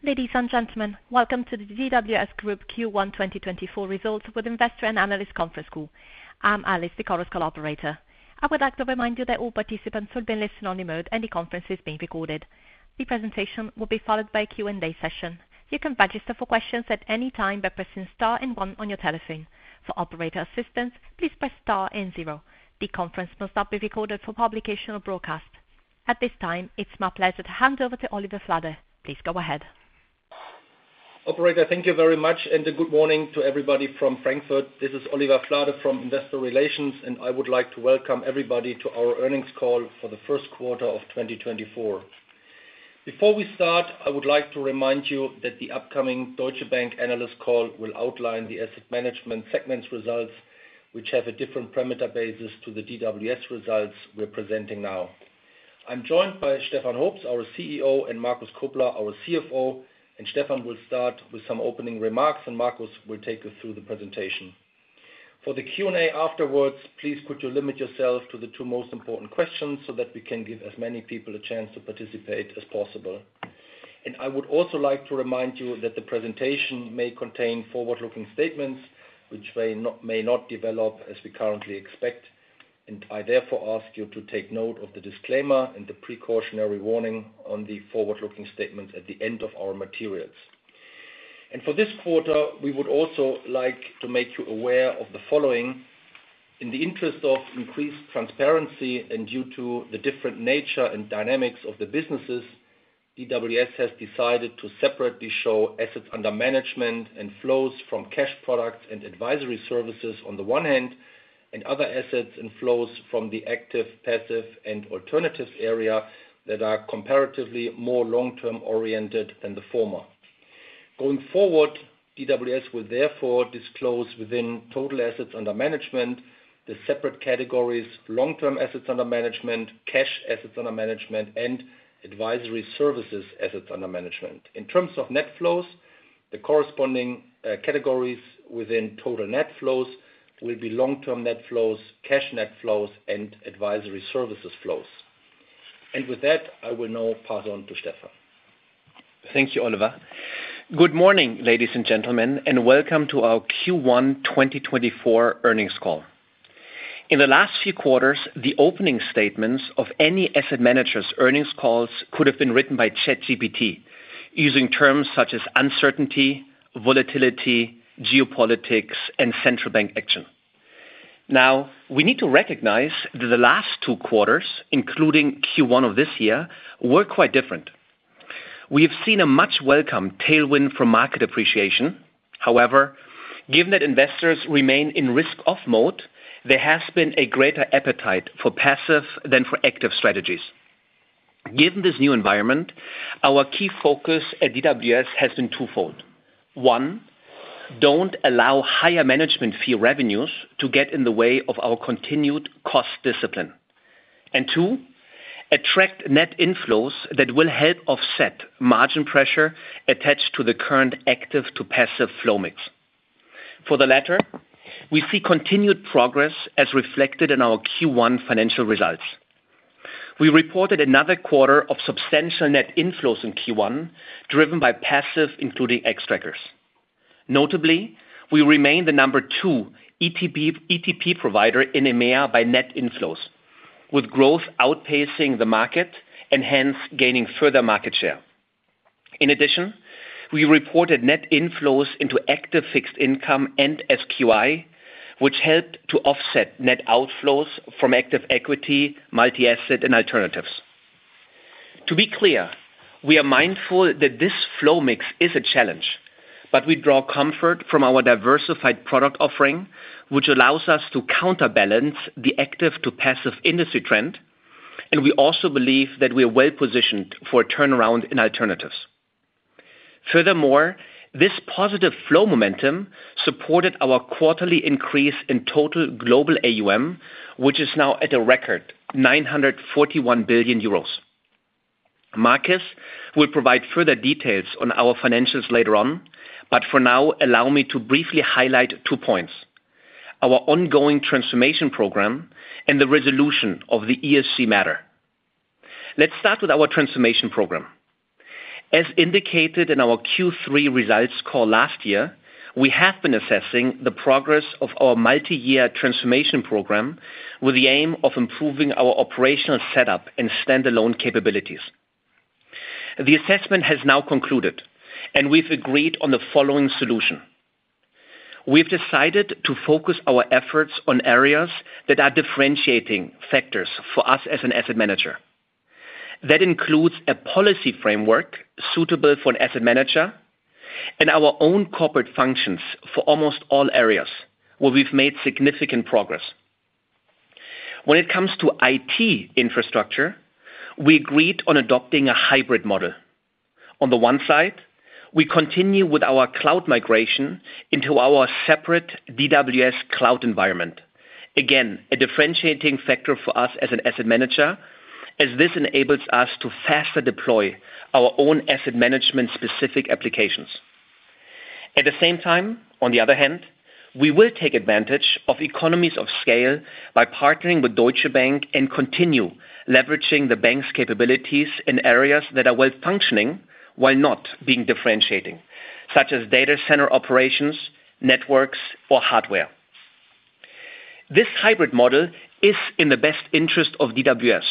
Ladies and gentlemen, welcome to the DWS Group Q1 2024 results with Investor and Analyst Conference Call. I'm Alice, the call's operator. I would like to remind you that all participants will be listening on remote and the conference is being recorded. The presentation will be followed by a Q&A session. You can register for questions at any time by pressing star and one on your telephone. For operator assistance, please press star and zero. The conference must not be recorded for publication or broadcast. At this time, it's my pleasure to hand over to Oliver Flade. Please go ahead. Operator, thank you very much, and a good morning to everybody from Frankfurt. This is Oliver Flade from Investor Relations, and I would like to welcome everybody to our earnings call for the first quarter of 2024. Before we start, I would like to remind you that the upcoming Deutsche Bank Analyst Call will outline the asset management segments results, which have a different parameter basis to the DWS results we're presenting now. I'm joined by Stefan Hoops, our CEO, and Markus Kobler, our CFO. Stefan will start with some opening remarks, and Markus will take us through the presentation. For the Q&A afterwards, please could you limit yourself to the two most important questions so that we can give as many people a chance to participate as possible. I would also like to remind you that the presentation may contain forward-looking statements, which may not develop as we currently expect, and I therefore ask you to take note of the disclaimer and the precautionary warning on the forward-looking statements at the end of our materials. For this quarter, we would also like to make you aware of the following. In the interest of increased transparency and due to the different nature and dynamics of the businesses, DWS has decided to separately show assets under management and flows from cash products and advisory services on the one hand, and other assets and flows from the active, passive, and alternatives area that are comparatively more long-term oriented than the former. Going forward, DWS will therefore disclose within total assets under management the separate categories: long-term assets under management, cash assets under management, and advisory services assets under management. In terms of net flows, the corresponding categories within total net flows will be long-term net flows, cash net flows, and advisory services flows. With that, I will now pass on to Stefan. Thank you, Oliver. Good morning, ladies and gentlemen, and welcome to our Q1 2024 earnings call. In the last few quarters, the opening statements of any asset manager's earnings calls could have been written by ChatGPT using terms such as uncertainty, volatility, geopolitics, and central bank action. Now, we need to recognize that the last two quarters, including Q1 of this year, were quite different. We have seen a much-welcomed tailwind from market appreciation. However, given that investors remain in risk-off mode, there has been a greater appetite for passive than for active strategies. Given this new environment, our key focus at DWS has been twofold. One, don't allow higher management fee revenues to get in the way of our continued cost discipline. And two, attract net inflows that will help offset margin pressure attached to the current active-to-passive flow mix. For the latter, we see continued progress as reflected in our Q1 financial results. We reported another quarter of substantial net inflows in Q1 driven by passive, including Xtrackers. Notably, we remain the number two ETP provider in EMEA by net inflows, with growth outpacing the market and hence gaining further market share. In addition, we reported net inflows into active fixed income and SQI, which helped to offset net outflows from active equity, multi-asset, and alternatives. To be clear, we are mindful that this flow mix is a challenge, but we draw comfort from our diversified product offering, which allows us to counterbalance the active-to-passive industry trend, and we also believe that we are well-positioned for a turnaround in alternatives. Furthermore, this positive flow momentum supported our quarterly increase in total global AUM, which is now at a record 941 billion euros. Markus will provide further details on our financials later on, but for now, allow me to briefly highlight two points: our ongoing transformation program and the resolution of the ESG matter. Let's start with our transformation program. As indicated in our Q3 results call last year, we have been assessing the progress of our multi-year transformation program with the aim of improving our operational setup and standalone capabilities. The assessment has now concluded, and we've agreed on the following solution. We've decided to focus our efforts on areas that are differentiating factors for us as an asset manager. That includes a policy framework suitable for an asset manager and our own corporate functions for almost all areas, where we've made significant progress. When it comes to IT infrastructure, we agreed on adopting a hybrid model. On the one side, we continue with our cloud migration into our separate DWS cloud environment, again, a differentiating factor for us as an asset manager, as this enables us to faster deploy our own asset management-specific applications. At the same time, on the other hand, we will take advantage of economies of scale by partnering with Deutsche Bank and continue leveraging the bank's capabilities in areas that are well-functioning while not being differentiating, such as data center operations, networks, or hardware. This hybrid model is in the best interest of DWS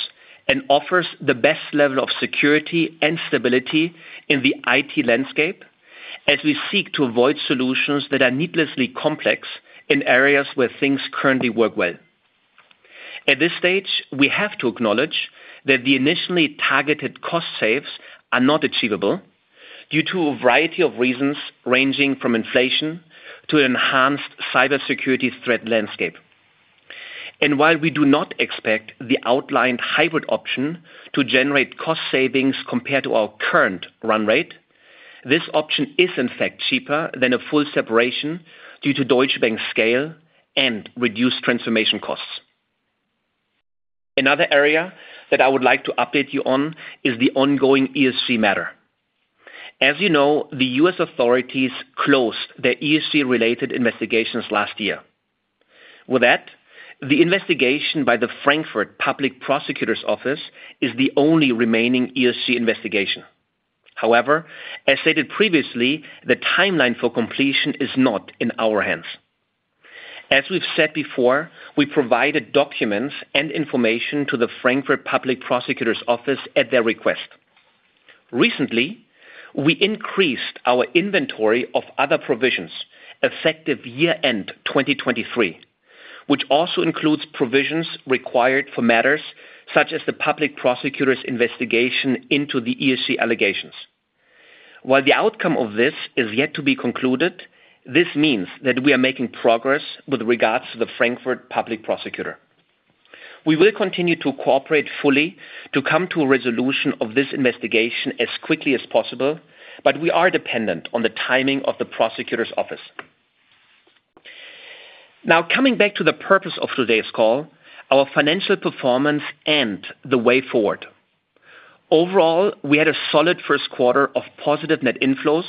and offers the best level of security and stability in the IT landscape as we seek to avoid solutions that are needlessly complex in areas where things currently work well. At this stage, we have to acknowledge that the initially targeted cost savings are not achievable due to a variety of reasons ranging from inflation to an enhanced cybersecurity threat landscape. While we do not expect the outlined hybrid option to generate cost savings compared to our current run rate, this option is, in fact, cheaper than a full separation due to Deutsche Bank's scale and reduced transformation costs. Another area that I would like to update you on is the ongoing ESG matter. As you know, the U.S. authorities closed their ESG-related investigations last year. With that, the investigation by the Frankfurt Public Prosecutor's Office is the only remaining ESG investigation. However, as stated previously, the timeline for completion is not in our hands. As we've said before, we provided documents and information to the Frankfurt Public Prosecutor's Office at their request. Recently, we increased our inventory of other provisions effective year-end 2023, which also includes provisions required for matters such as the public prosecutor's investigation into the ESG allegations. While the outcome of this is yet to be concluded, this means that we are making progress with regards to the Frankfurt Public Prosecutor. We will continue to cooperate fully to come to a resolution of this investigation as quickly as possible, but we are dependent on the timing of the prosecutor's office. Now, coming back to the purpose of today's call, our financial performance and the way forward. Overall, we had a solid first quarter of positive net inflows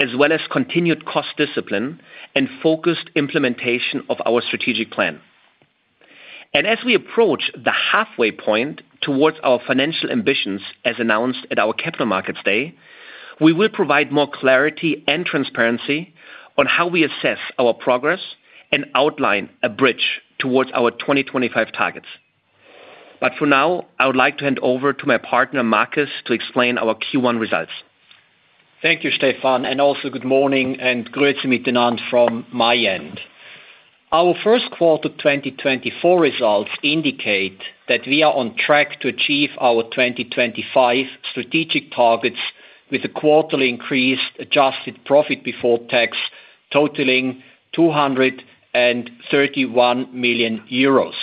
as well as continued cost discipline and focused implementation of our strategic plan. As we approach the halfway point towards our financial ambitions as announced at our Capital Markets Day, we will provide more clarity and transparency on how we assess our progress and outline a bridge towards our 2025 targets. For now, I would like to hand over to my partner, Markus, to explain our Q1 results. Thank you, Stefan. And also, good morning and grüezi miteinander from my end. Our first quarter 2024 results indicate that we are on track to achieve our 2025 strategic targets with a quarterly increased adjusted profit before tax totaling 231 million euros.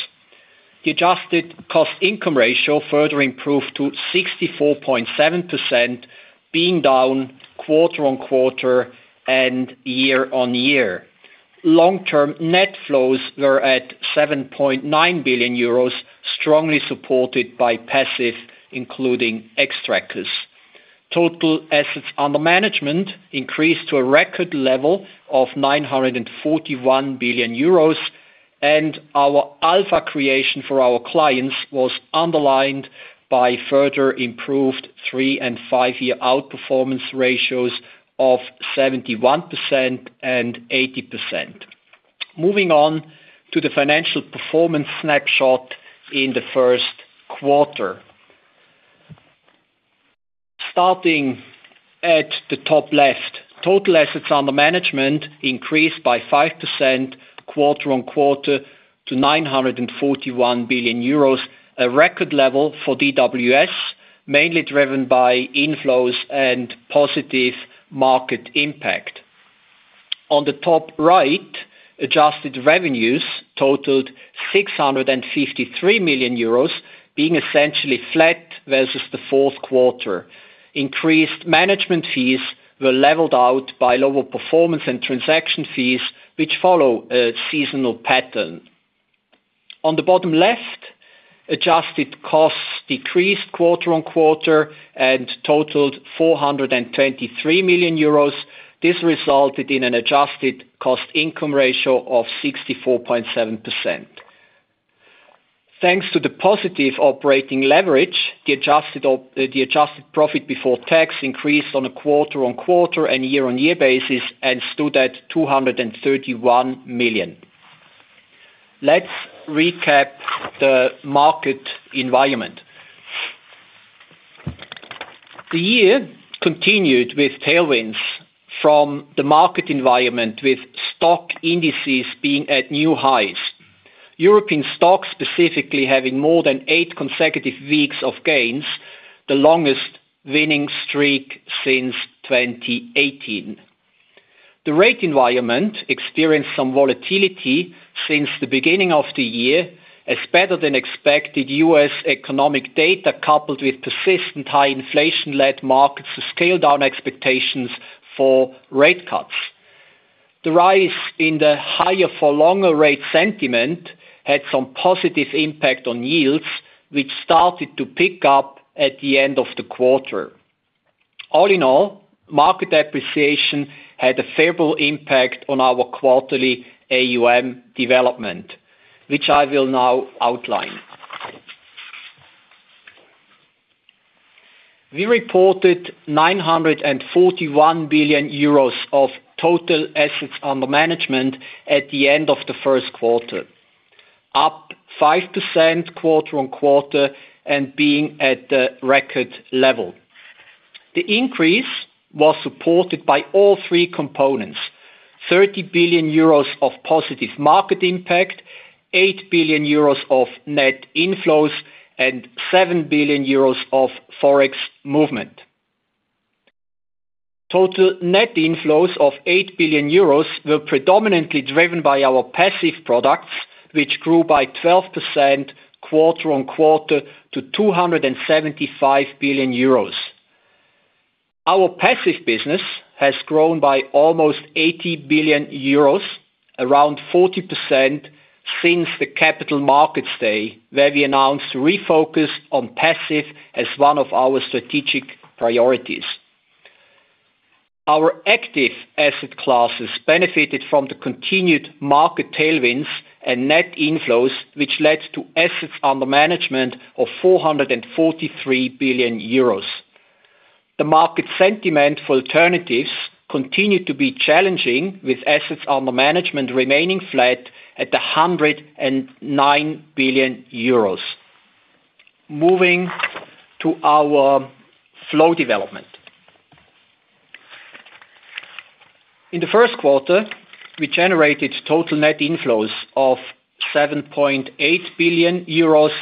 The adjusted cost-income ratio further improved to 64.7%, being down quarter-on-quarter and year-on-year. Long-term net flows were at 7.9 billion euros, strongly supported by passive, including Xtrackers. Total assets under management increased to a record level of 941 billion euros, and our alpha creation for our clients was underlined by further improved three- and five-year outperformance ratios of 71% and 80%. Moving on to the financial performance snapshot in the first quarter. Starting at the top left, total assets under management increased by 5% quarter-on-quarter to 941 billion euros, a record level for DWS, mainly driven by inflows and positive market impact. On the top right, adjusted revenues totaled 653 million euros, being essentially flat versus the fourth quarter. Increased management fees were leveled out by lower performance and transaction fees, which follow a seasonal pattern. On the bottom left, adjusted costs decreased quarter-on-quarter and totaled 423 million euros. This resulted in an adjusted cost-income ratio of 64.7%. Thanks to the positive operating leverage, the adjusted profit before tax increased on a quarter-on-quarter and year-on-year basis and stood at 231 million. Let's recap the market environment. The year continued with tailwinds from the market environment, with stock indices being at new highs, European stocks specifically having more than eight consecutive weeks of gains, the longest winning streak since 2018. The rate environment experienced some volatility since the beginning of the year as better than expected US economic data coupled with persistent high inflation-led markets to scale down expectations for rate cuts. The rise in the higher-for-longer rate sentiment had some positive impact on yields, which started to pick up at the end of the quarter. All in all, market appreciation had a favorable impact on our quarterly AUM development, which I will now outline. We reported 941 billion euros of total assets under management at the end of the first quarter, up 5% quarter-over-quarter and being at the record level. The increase was supported by all three components: 30 billion euros of positive market impact, 8 billion euros of net inflows, and 7 billion euros of forex movement. Total net inflows of 8 billion euros were predominantly driven by our passive products, which grew by 12% quarter-on-quarter to 275 billion euros. Our passive business has grown by almost 80 billion euros, around 40% since the Capital Markets Day where we announced refocus on passive as one of our strategic priorities. Our active asset classes benefited from the continued market tailwinds and net inflows, which led to assets under management of 443 billion euros. The market sentiment for alternatives continued to be challenging, with assets under management remaining flat at 109 billion euros. Moving to our flow development. In the first quarter, we generated total net inflows of 7.8 billion euros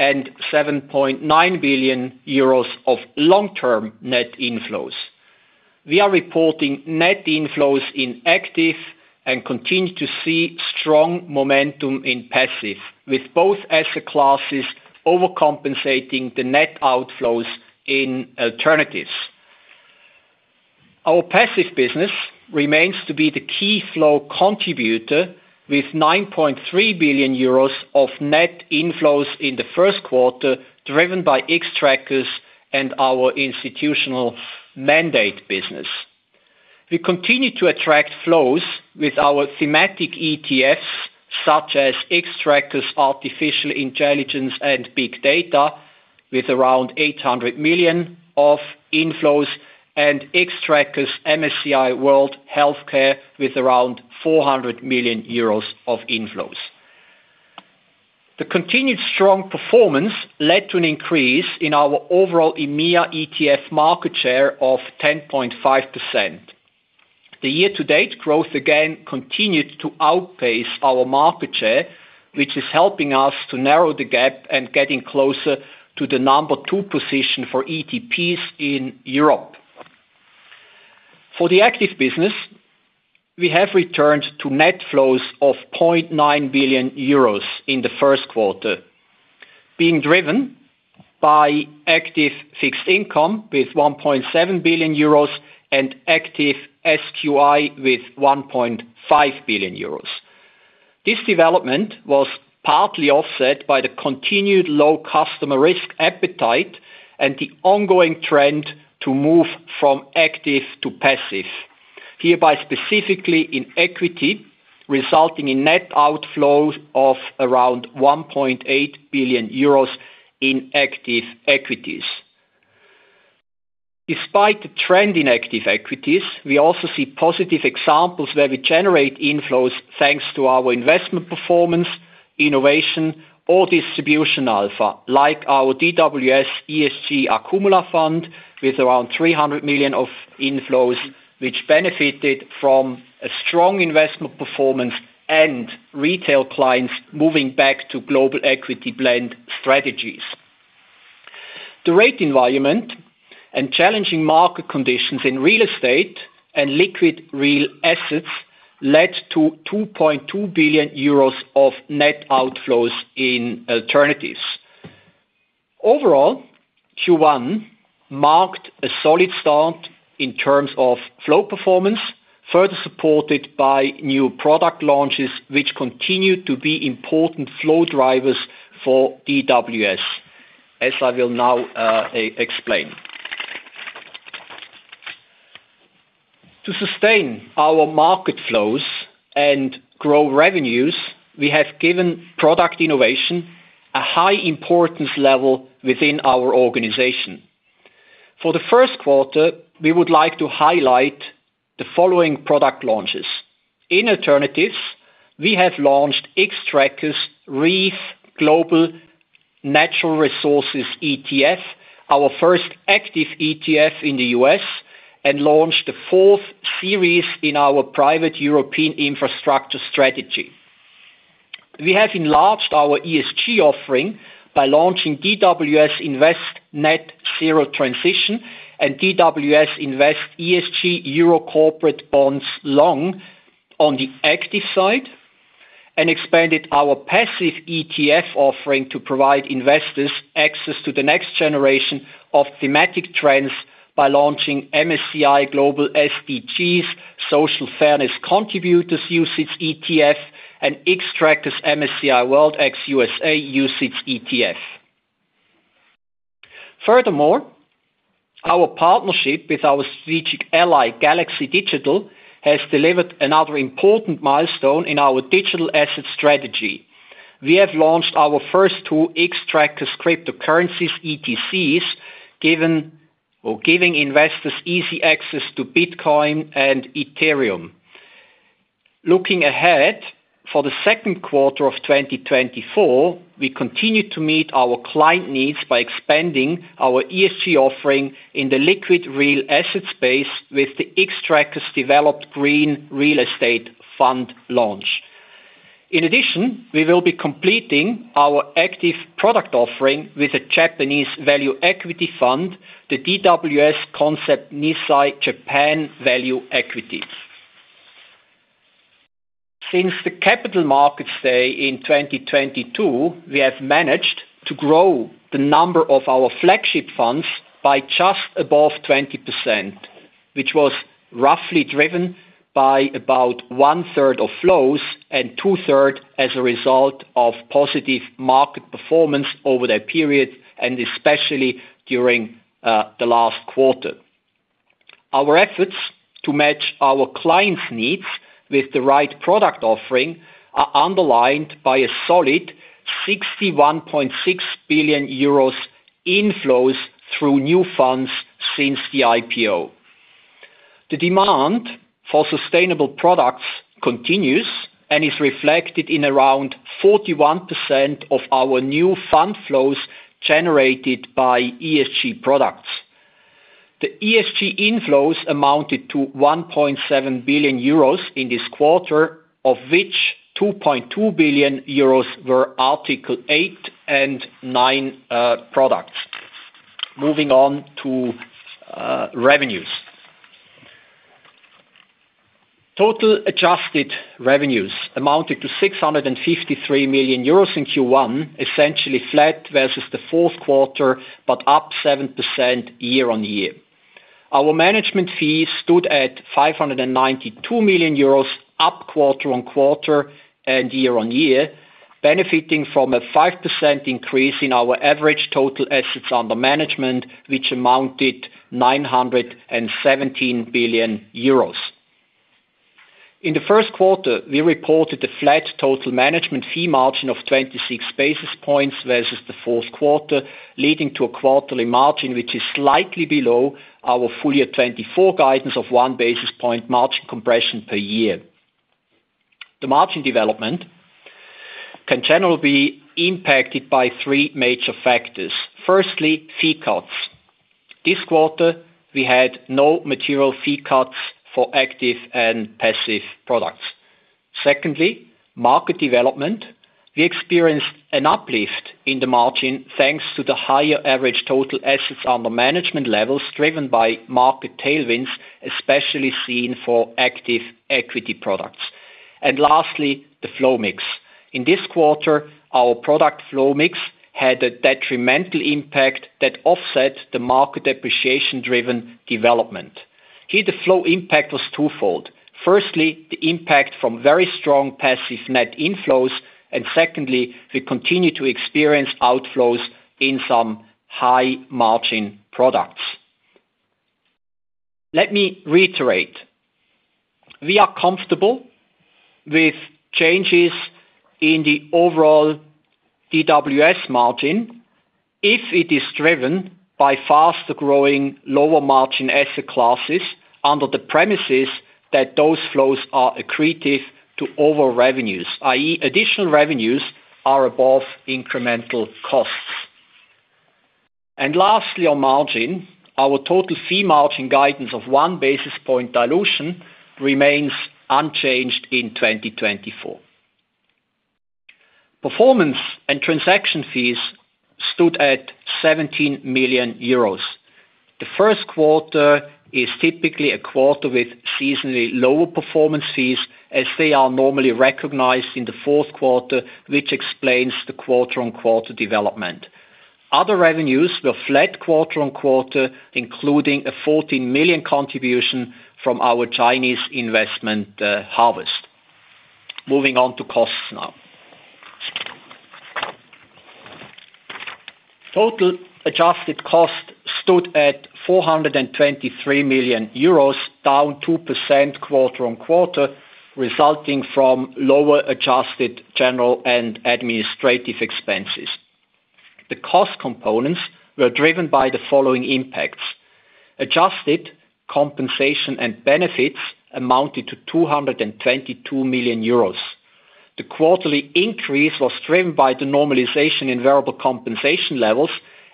and 7.9 billion euros of long-term net inflows. We are reporting net inflows in active and continue to see strong momentum in passive, with both asset classes overcompensating the net outflows in alternatives. Our passive business remains to be the key flow contributor, with 9.3 billion euros of net inflows in the first quarter driven by Xtrackers and our institutional mandate business. We continue to attract flows with our thematic ETFs such as Xtrackers Artificial Intelligence and Big Data, with around 800 million of inflows, and Xtrackers MSCI World Health Care, with around 400 million euros of inflows. The continued strong performance led to an increase in our overall EMEA ETF market share of 10.5%. The year-to-date growth, again, continued to outpace our market share, which is helping us to narrow the gap and getting closer to the number two position for ETPs in Europe. For the active business, we have returned to net flows of 0.9 billion euros in the first quarter, being driven by active fixed income with 1.7 billion euros and active SQI with 1.5 billion euros. This development was partly offset by the continued low customer risk appetite and the ongoing trend to move from active to passive, hereby specifically in equity, resulting in net outflows of around 1.8 billion euros in active equities. Despite the trend in active equities, we also see positive examples where we generate inflows thanks to our investment performance, innovation, or distribution alpha, like our DWS ESG Akkumula Fund with around 300 million of inflows, which benefited from a strong investment performance and retail clients moving back to global equity-blend strategies. The rate environment and challenging market conditions in real estate and liquid real assets led to 2.2 billion euros of net outflows in alternatives. Overall, Q1 marked a solid start in terms of flow performance, further supported by new product launches, which continue to be important flow drivers for DWS, as I will now explain. To sustain our market flows and grow revenues, we have given product innovation a high importance level within our organization. For the first quarter, we would like to highlight the following product launches. In alternatives, we have launched Xtrackers RREEF Global Natural Resources ETF, our first active ETF in the U.S., and launched the fourth series in our private European infrastructure strategy. We have enlarged our ESG offering by launching DWS Invest Net Zero Transition and DWS Invest ESG Euro Corporate Bonds Long on the active side and expanded our passive ETF offering to provide investors access to the next generation of thematic trends by launching Xtrackers MSCI Global SDGs Social Fairness Contributors UCITS ETF and Xtrackers MSCI World ex USA UCITS ETF. Furthermore, our partnership with our strategic ally Galaxy Digital has delivered another important milestone in our digital asset strategy. We have launched our first two Xtrackers cryptocurrency ETCs, offering investors easy access to Bitcoin and Ethereum. Looking ahead for the second quarter of 2024, we continue to meet our client needs by expanding our ESG offering in the liquid real asset space with the Xtrackers Developed Green Real Estate Fund launch. In addition, we will be completing our active product offering with a Japanese value equity fund, the DWS Concept Nissay Japan Value Equity. Since the Capital Markets Day in 2022, we have managed to grow the number of our flagship funds by just above 20%, which was roughly driven by about 1/3 of flows and 2/3 as a result of positive market performance over that period, and especially during the last quarter. Our efforts to match our clients' needs with the right product offering are underlined by a solid 61.6 billion euros inflows through new funds since the IPO. The demand for sustainable products continues and is reflected in around 41% of our new fund flows generated by ESG products. The ESG inflows amounted to 1.7 billion euros in this quarter, of which 2.2 billion euros were Article 8 and Article 9 products. Moving on to revenues. Total adjusted revenues amounted to 653 million euros in Q1, essentially flat versus the fourth quarter but up 7% year-on-year. Our management fees stood at 592 million euros up quarter-on-quarter and year-on-year, benefiting from a 5% increase in our average total assets under management, which amounted to 917 billion euros. In the first quarter, we reported a flat total management fee margin of 26 basis points versus the fourth quarter, leading to a quarterly margin which is slightly below our full year 2024 guidance of one basis point margin compression per year. The margin development can generally be impacted by three major factors. Firstly, fee cuts. This quarter, we had no material fee cuts for active and passive products. Secondly, market development. We experienced an uplift in the margin thanks to the higher average total assets under management levels driven by market tailwinds, especially seen for active equity products. And lastly, the flow mix. In this quarter, our product flow mix had a detrimental impact that offset the market depreciation-driven development. Here, the flow impact was twofold. Firstly, the impact from very strong passive net inflows. And secondly, we continue to experience outflows in some high margin products. Let me reiterate. We are comfortable with changes in the overall DWS margin if it is driven by faster-growing lower margin asset classes under the premises that those flows are accretive to overall revenues, i.e., additional revenues are above incremental costs. Lastly, our margin, our total fee margin guidance of one basis point dilution remains unchanged in 2024. Performance and transaction fees stood at 17 million euros. The first quarter is typically a quarter with seasonally lower performance fees as they are normally recognized in the fourth quarter, which explains the quarter-on-quarter development. Other revenues were flat quarter-on-quarter, including a 14 million contribution from our Chinese investment Harvest. Moving on to costs now. Total adjusted cost stood at 423 million euros, down 2% quarter-on-quarter, resulting from lower adjusted general and administrative expenses. The cost components were driven by the following impacts. Adjusted compensation and benefits amounted to 222 million euros. The quarterly increase was driven by the normalization in variable compensation levels,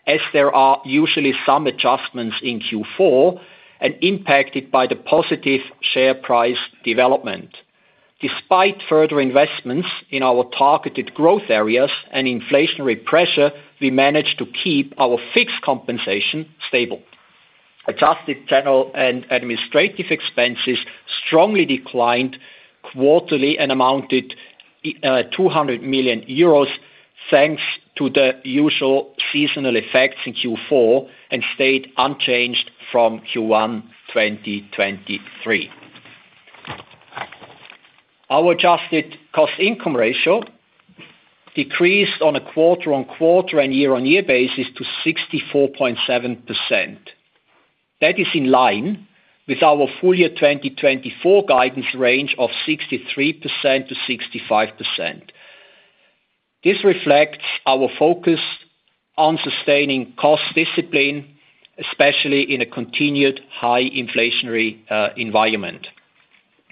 as there are usually some adjustments in Q4, and impacted by the positive share price development. Despite further investments in our targeted growth areas and inflationary pressure, we managed to keep our fixed compensation stable. Adjusted general and administrative expenses strongly declined quarterly and amounted to 200 million euros thanks to the usual seasonal effects in Q4 and stayed unchanged from Q1 2023. Our adjusted cost-income ratio decreased on a quarter-on-quarter and year-on-year basis to 64.7%. That is in line with our full year 2024 guidance range of 63%-65%. This reflects our focus on sustaining cost discipline, especially in a continued high inflationary environment.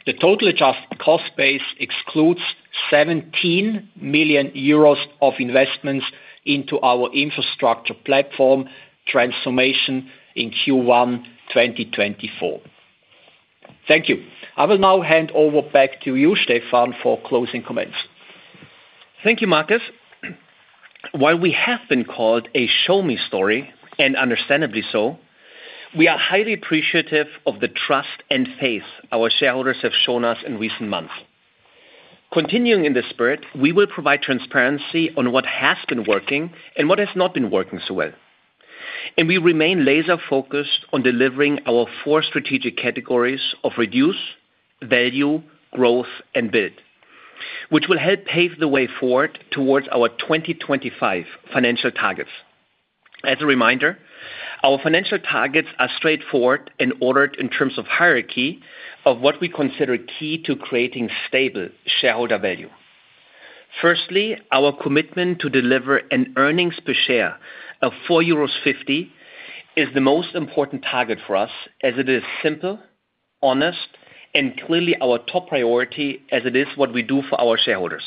The total adjusted cost base excludes 17 million euros of investments into our infrastructure platform transformation in Q1 2024. Thank you. I will now hand over back to you, Stefan, for closing comments. Thank you, Markus. While we have been called a show-me story, and understandably so, we are highly appreciative of the trust and faith our shareholders have shown us in recent months. Continuing in the spirit, we will provide transparency on what has been working and what has not been working so well. We remain laser-focused on delivering our four strategic categories of reduce, value, growth, and build, which will help pave the way forward towards our 2025 financial targets. As a reminder, our financial targets are straightforward and ordered in terms of hierarchy of what we consider key to creating stable shareholder value. Firstly, our commitment to deliver an earnings per share of 4.50 euros is the most important target for us, as it is simple, honest, and clearly our top priority, as it is what we do for our shareholders.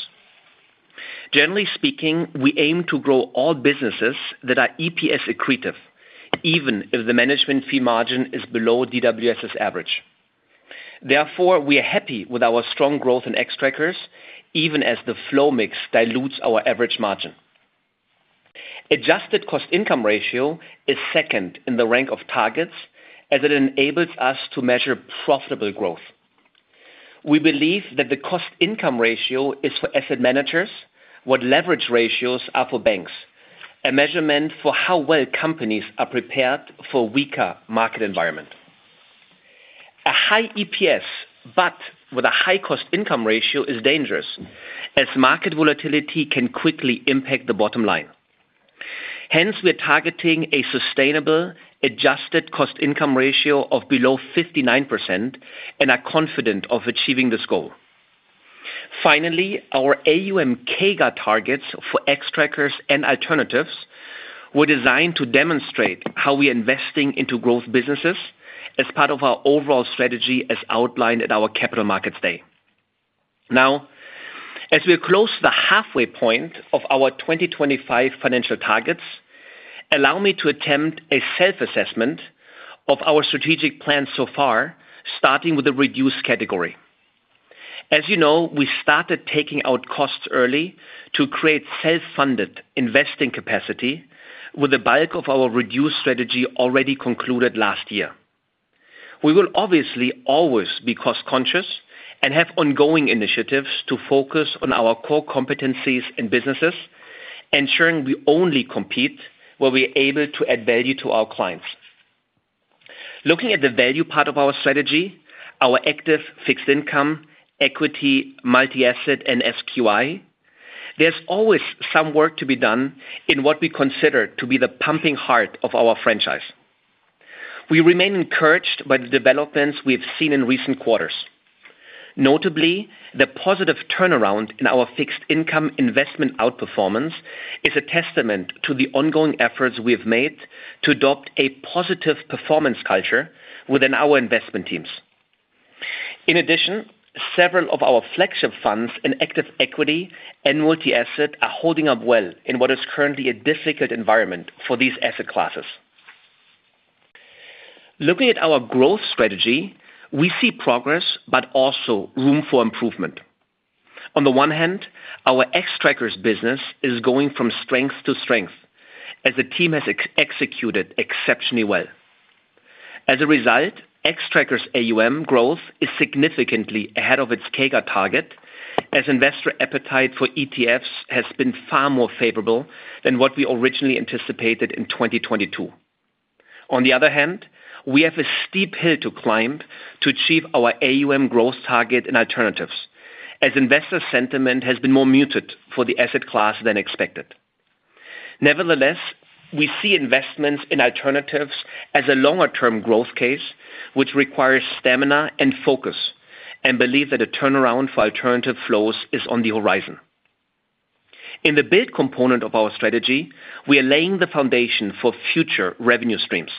Generally speaking, we aim to grow all businesses that are EPS accretive, even if the management fee margin is below DWS's average. Therefore, we are happy with our strong growth in Xtrackers, even as the flow mix dilutes our average margin. Adjusted cost-income ratio is second in the rank of targets, as it enables us to measure profitable growth. We believe that the cost-income ratio is for asset managers what leverage ratios are for banks, a measurement for how well companies are prepared for a weaker market environment. A high EPS but with a high cost-income ratio is dangerous, as market volatility can quickly impact the bottom line. Hence, we are targeting a sustainable adjusted cost-income ratio of below 59% and are confident of achieving this goal. Finally, our AUM-CAGR targets for Xtrackers and alternatives were designed to demonstrate how we are investing into growth businesses as part of our overall strategy as outlined at our Capital Markets Day. Now, as we are close to the halfway point of our 2025 financial targets, allow me to attempt a self-assessment of our strategic plan so far, starting with the reduce category. As you know, we started taking out costs early to create self-funded investing capacity with a bulk of our reduce strategy already concluded last year. We will obviously always be cost-conscious and have ongoing initiatives to focus on our core competencies in businesses, ensuring we only compete where we are able to add value to our clients. Looking at the value part of our strategy, our active fixed income, equity, multi-asset, and SQI, there's always some work to be done in what we consider to be the pumping heart of our franchise. We remain encouraged by the developments we have seen in recent quarters. Notably, the positive turnaround in our fixed income investment outperformance is a testament to the ongoing efforts we have made to adopt a positive performance culture within our investment teams. In addition, several of our flagship funds in active equity and multi-asset are holding up well in what is currently a difficult environment for these asset classes. Looking at our growth strategy, we see progress but also room for improvement. On the one hand, our Xtrackers business is going from strength to strength, as the team has executed exceptionally well. As a result, Xtrackers AUM growth is significantly ahead of its CAGR target, as investor appetite for ETFs has been far more favorable than what we originally anticipated in 2022. On the other hand, we have a steep hill to climb to achieve our AUM growth target in alternatives, as investor sentiment has been more muted for the asset class than expected. Nevertheless, we see investments in alternatives as a longer-term growth case, which requires stamina and focus, and believe that a turnaround for alternative flows is on the horizon. In the build component of our strategy, we are laying the foundation for future revenue streams.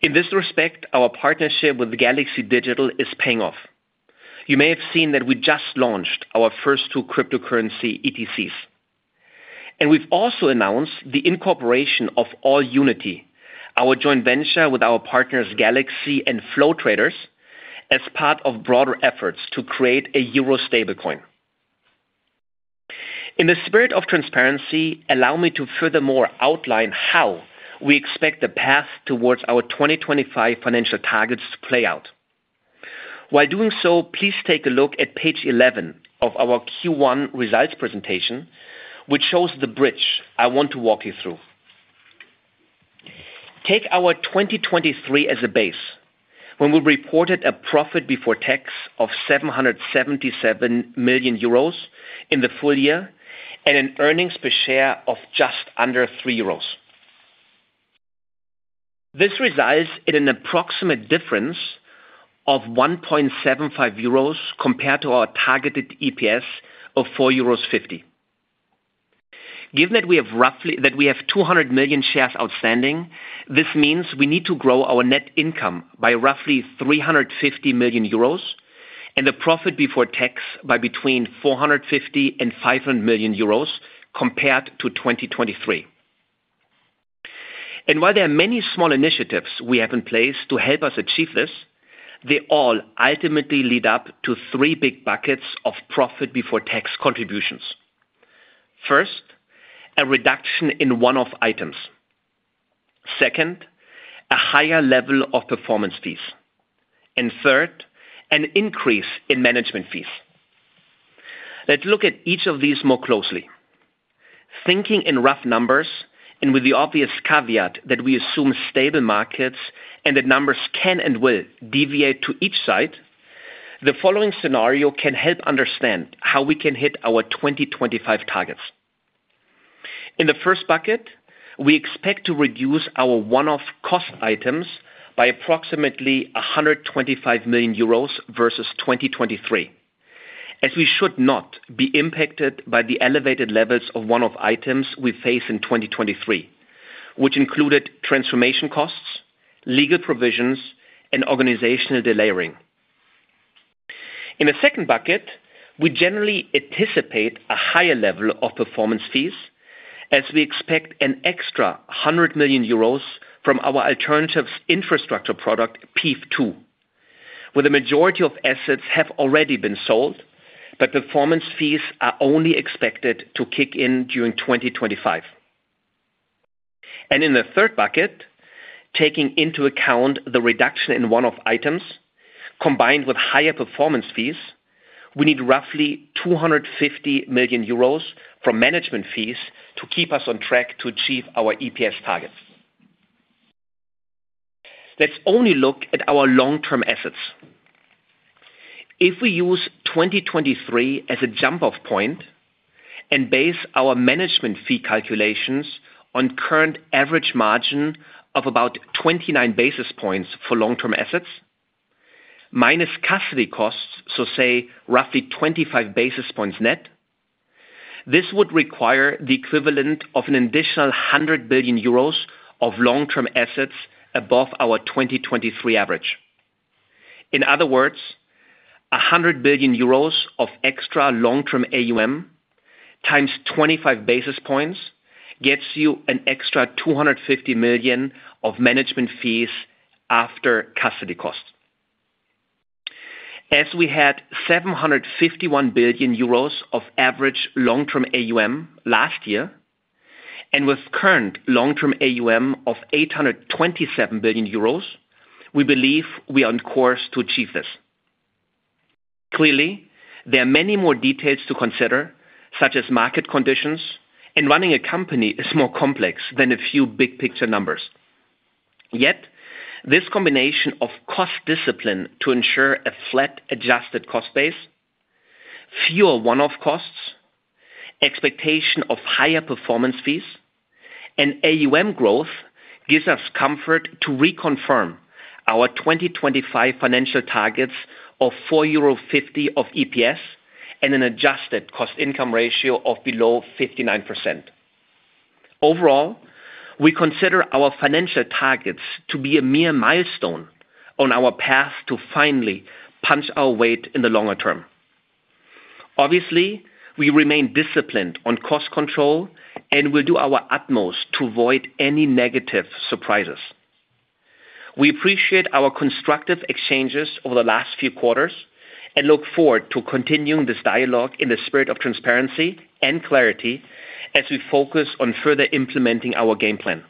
In this respect, our partnership with Galaxy Digital is paying off. You may have seen that we just launched our first two cryptocurrency ETCs. We've also announced the incorporation of AllUnity, our joint venture with our partners Galaxy and Flow Traders, as part of broader efforts to create a euro stablecoin. In the spirit of transparency, allow me to furthermore outline how we expect the path towards our 2025 financial targets to play out. While doing so, please take a look at Page 11 of our Q1 results presentation, which shows the bridge I want to walk you through. Take our 2023 as a base, when we reported a profit before tax of 777 million euros in the full year and an earnings per share of just under 3 euros. This results in an approximate difference of 1.75 euros compared to our targeted EPS of 4.50 euros. Given that we have 200 million shares outstanding, this means we need to grow our net income by roughly 350 million euros and the profit before tax by between 450 million and 500 million euros compared to 2023. And while there are many small initiatives we have in place to help us achieve this, they all ultimately lead up to three big buckets of profit before tax contributions. First, a reduction in one-off items. Second, a higher level of performance fees. And third, an increase in management fees. Let's look at each of these more closely. Thinking in rough numbers and with the obvious caveat that we assume stable markets and that numbers can and will deviate to each side, the following scenario can help understand how we can hit our 2025 targets. In the first bucket, we expect to reduce our one-off cost items by approximately 125 million euros versus 2023, as we should not be impacted by the elevated levels of one-off items we face in 2023, which included transformation costs, legal provisions, and organizational delayering. In the second bucket, we generally anticipate a higher level of performance fees, as we expect an extra 100 million euros from our alternatives' infrastructure product, PEIF II, where the majority of assets have already been sold, but performance fees are only expected to kick in during 2025. In the third bucket, taking into account the reduction in one-off items combined with higher performance fees, we need roughly 250 million euros from management fees to keep us on track to achieve our EPS targets. Let's only look at our long-term assets. If we use 2023 as a jump-off point and base our management fee calculations on current average margin of about 29 basis points for long-term assets minus custody costs, so say roughly 25 basis points net, this would require the equivalent of an additional 100 billion euros of long-term assets above our 2023 average. In other words, 100 billion euros of extra long-term AUM x 25 basis points gets you an extra 250 million of management fees after custody costs. As we had 751 billion euros of average long-term AUM last year and with current long-term AUM of 827 billion euros, we believe we are on course to achieve this. Clearly, there are many more details to consider, such as market conditions, and running a company is more complex than a few big picture numbers. Yet, this combination of cost discipline to ensure a flat adjusted cost base, fewer one-off costs, expectation of higher performance fees, and AUM growth gives us comfort to reconfirm our 2025 financial targets of 4.50 euro of EPS and an adjusted cost-income ratio of below 59%. Overall, we consider our financial targets to be a mere milestone on our path to finally punch our weight in the longer term. Obviously, we remain disciplined on cost control and will do our utmost to avoid any negative surprises. We appreciate our constructive exchanges over the last few quarters and look forward to continuing this dialogue in the spirit of transparency and clarity as we focus on further implementing our game plan.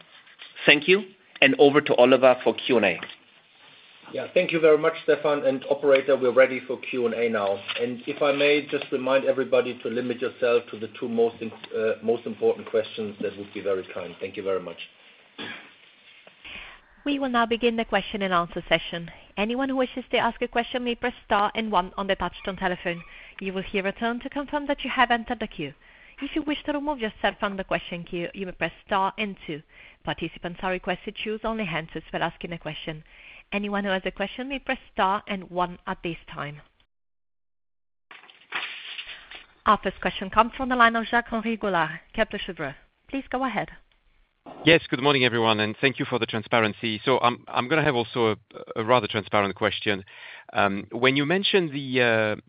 Thank you, and over to Oliver for Q&A. Yeah, thank you very much, Stefan. Operator, we're ready for Q&A now. If I may just remind everybody to limit yourself to the two most important questions, that would be very kind. Thank you very much. We will now begin the question and answer session. Anyone who wishes to ask a question may press star and one on the touch-tone telephone. You will hear a tone to confirm that you have entered the queue. If you wish to remove yourself from the question queue, you may press star and two. Participants are requested to use only one line while asking a question. Anyone who has a question may press star and one at this time. Our first question comes from the line of Jacques-Henri Gaulard, Kepler Cheuvreux. Please go ahead. Yes, good morning, everyone, and thank you for the transparency. So I'm going to have also a rather transparent question. When you mentioned the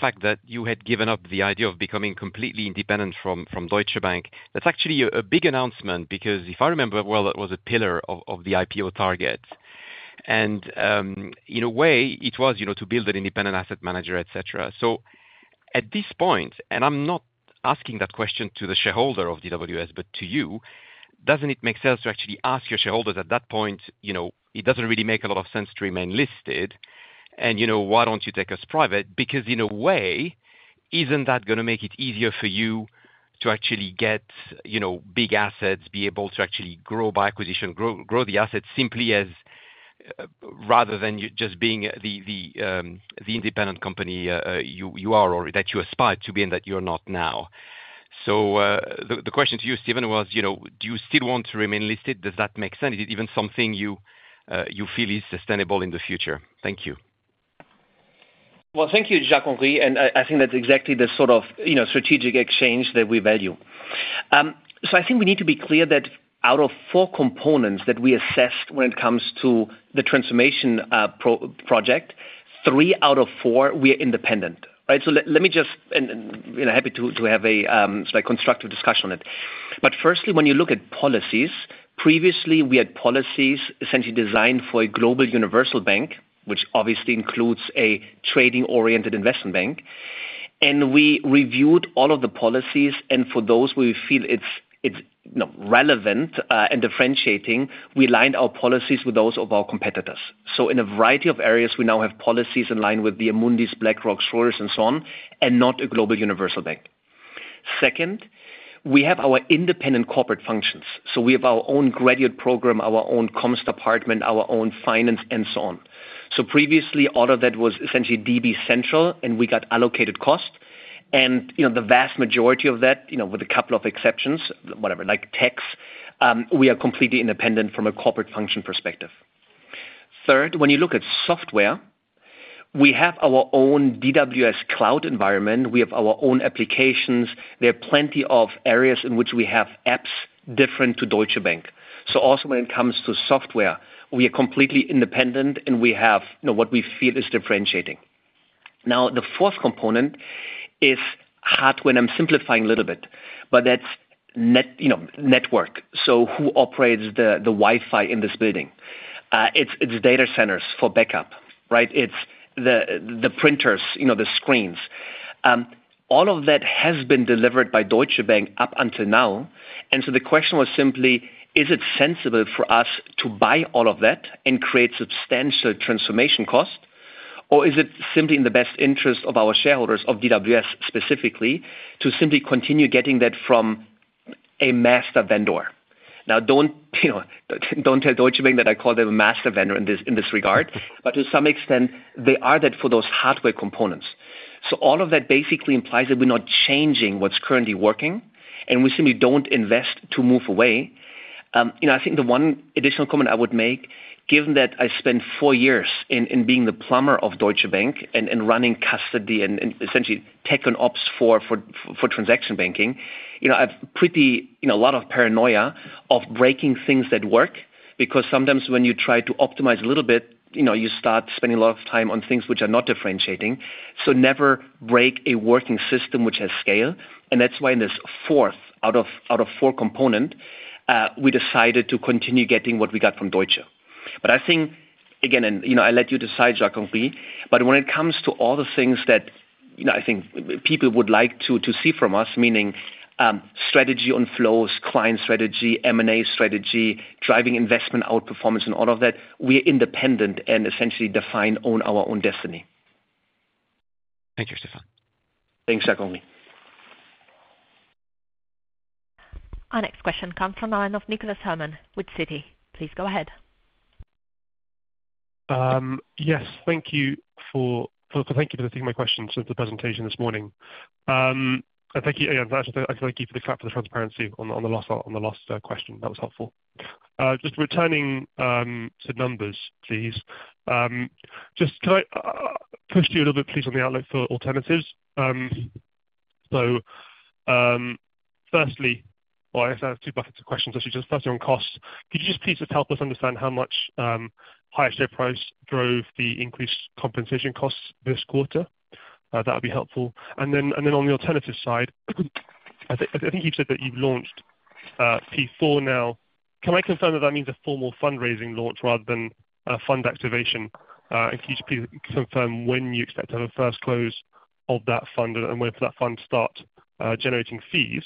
fact that you had given up the idea of becoming completely independent from Deutsche Bank, that's actually a big announcement because if I remember well, that was a pillar of the IPO target. And in a way, it was to build an independent asset manager, etc. So at this point, and I'm not asking that question to the shareholder of DWS but to you, doesn't it make sense to actually ask your shareholders at that point, "It doesn't really make a lot of sense to remain listed, and why don't you take us private?" Because in a way, isn't that going to make it easier for you to actually get big assets, be able to actually grow by acquisition, grow the assets simply rather than just being the independent company you are or that you aspire to be and that you're not now? So the question to you, Stefan, was, "Do you still want to remain listed? Does that make sense? Is it even something you feel is sustainable in the future?" Thank you. Well, thank you, Jacques-Henri. And I think that's exactly the sort of strategic exchange that we value. So I think we need to be clear that out of four components that we assessed when it comes to the transformation project, three out of four, we are independent, right? So let me just and I'm happy to have a constructive discussion on it. But firstly, when you look at policies, previously, we had policies essentially designed for a global universal bank, which obviously includes a trading-oriented investment bank. And we reviewed all of the policies. And for those where we feel it's relevant and differentiating, we aligned our policies with those of our competitors. So in a variety of areas, we now have policies in line with the Amundi, BlackRock, Schroders, and so on, and not a global universal bank. Second, we have our independent corporate functions. So we have our own graduate program, our own comms department, our own finance, and so on. So previously, all of that was essentially DB Central, and we got allocated cost. And the vast majority of that, with a couple of exceptions, whatever, like tax, we are completely independent from a corporate function perspective. Third, when you look at software, we have our own DWS cloud environment. We have our own applications. There are plenty of areas in which we have apps different from Deutsche Bank. So also when it comes to software, we are completely independent, and we have what we feel is differentiating. Now, the fourth component is hardware when I'm simplifying a little bit, but that's network. So who operates the Wi-Fi in this building? It's data centers for backup, right? It's the printers, the screens. All of that has been delivered by Deutsche Bank up until now. And so the question was simply, is it sensible for us to buy all of that and create substantial transformation cost, or is it simply in the best interest of our shareholders, of DWS specifically, to simply continue getting that from a master vendor? Now, don't tell Deutsche Bank that I call them a master vendor in this regard. But to some extent, they are that for those hardware components. So all of that basically implies that we're not changing what's currently working, and we simply don't invest to move away. I think the one additional comment I would make, given that I spent four years in being the plumber of Deutsche Bank and running custody and essentially tech and ops for transaction banking. I have pretty a lot of paranoia of breaking things that work because sometimes when you try to optimize a little bit, you start spending a lot of time on things which are not differentiating. So never break a working system which has scale. And that's why in this fourth out of four components, we decided to continue getting what we got from Deutsche. But I think, again, and I let you decide, Jacques-Henri, but when it comes to all the things that I think people would like to see from us, meaning strategy on flows, client strategy, M&A strategy, driving investment outperformance, and all of that, we are independent and essentially define our own destiny. Thank you, Stefan. Thanks, Jacques-Henri. Our next question comes from the line of Nicholas Herman. With Citigroup, Please go ahead. Yes, thank you for taking my questions and the presentation this morning. And thank you. And I thank you for the clap for the transparency on the last question. That was helpful. Just returning to numbers, please. Just can I push you a little bit, please, on the outlook for alternatives? So firstly, well, I guess I have two buckets of questions, actually. Just firstly, on costs, could you just please help us understand how much higher share price drove the increased compensation costs this quarter? That would be helpful. And then on the alternative side, I think you've said that you've launched PEIF IV now. Can I confirm that that means a formal fundraising launch rather than a fund activation? And could you please confirm when you expect to have a first close of that fund and when for that fund to start generating fees?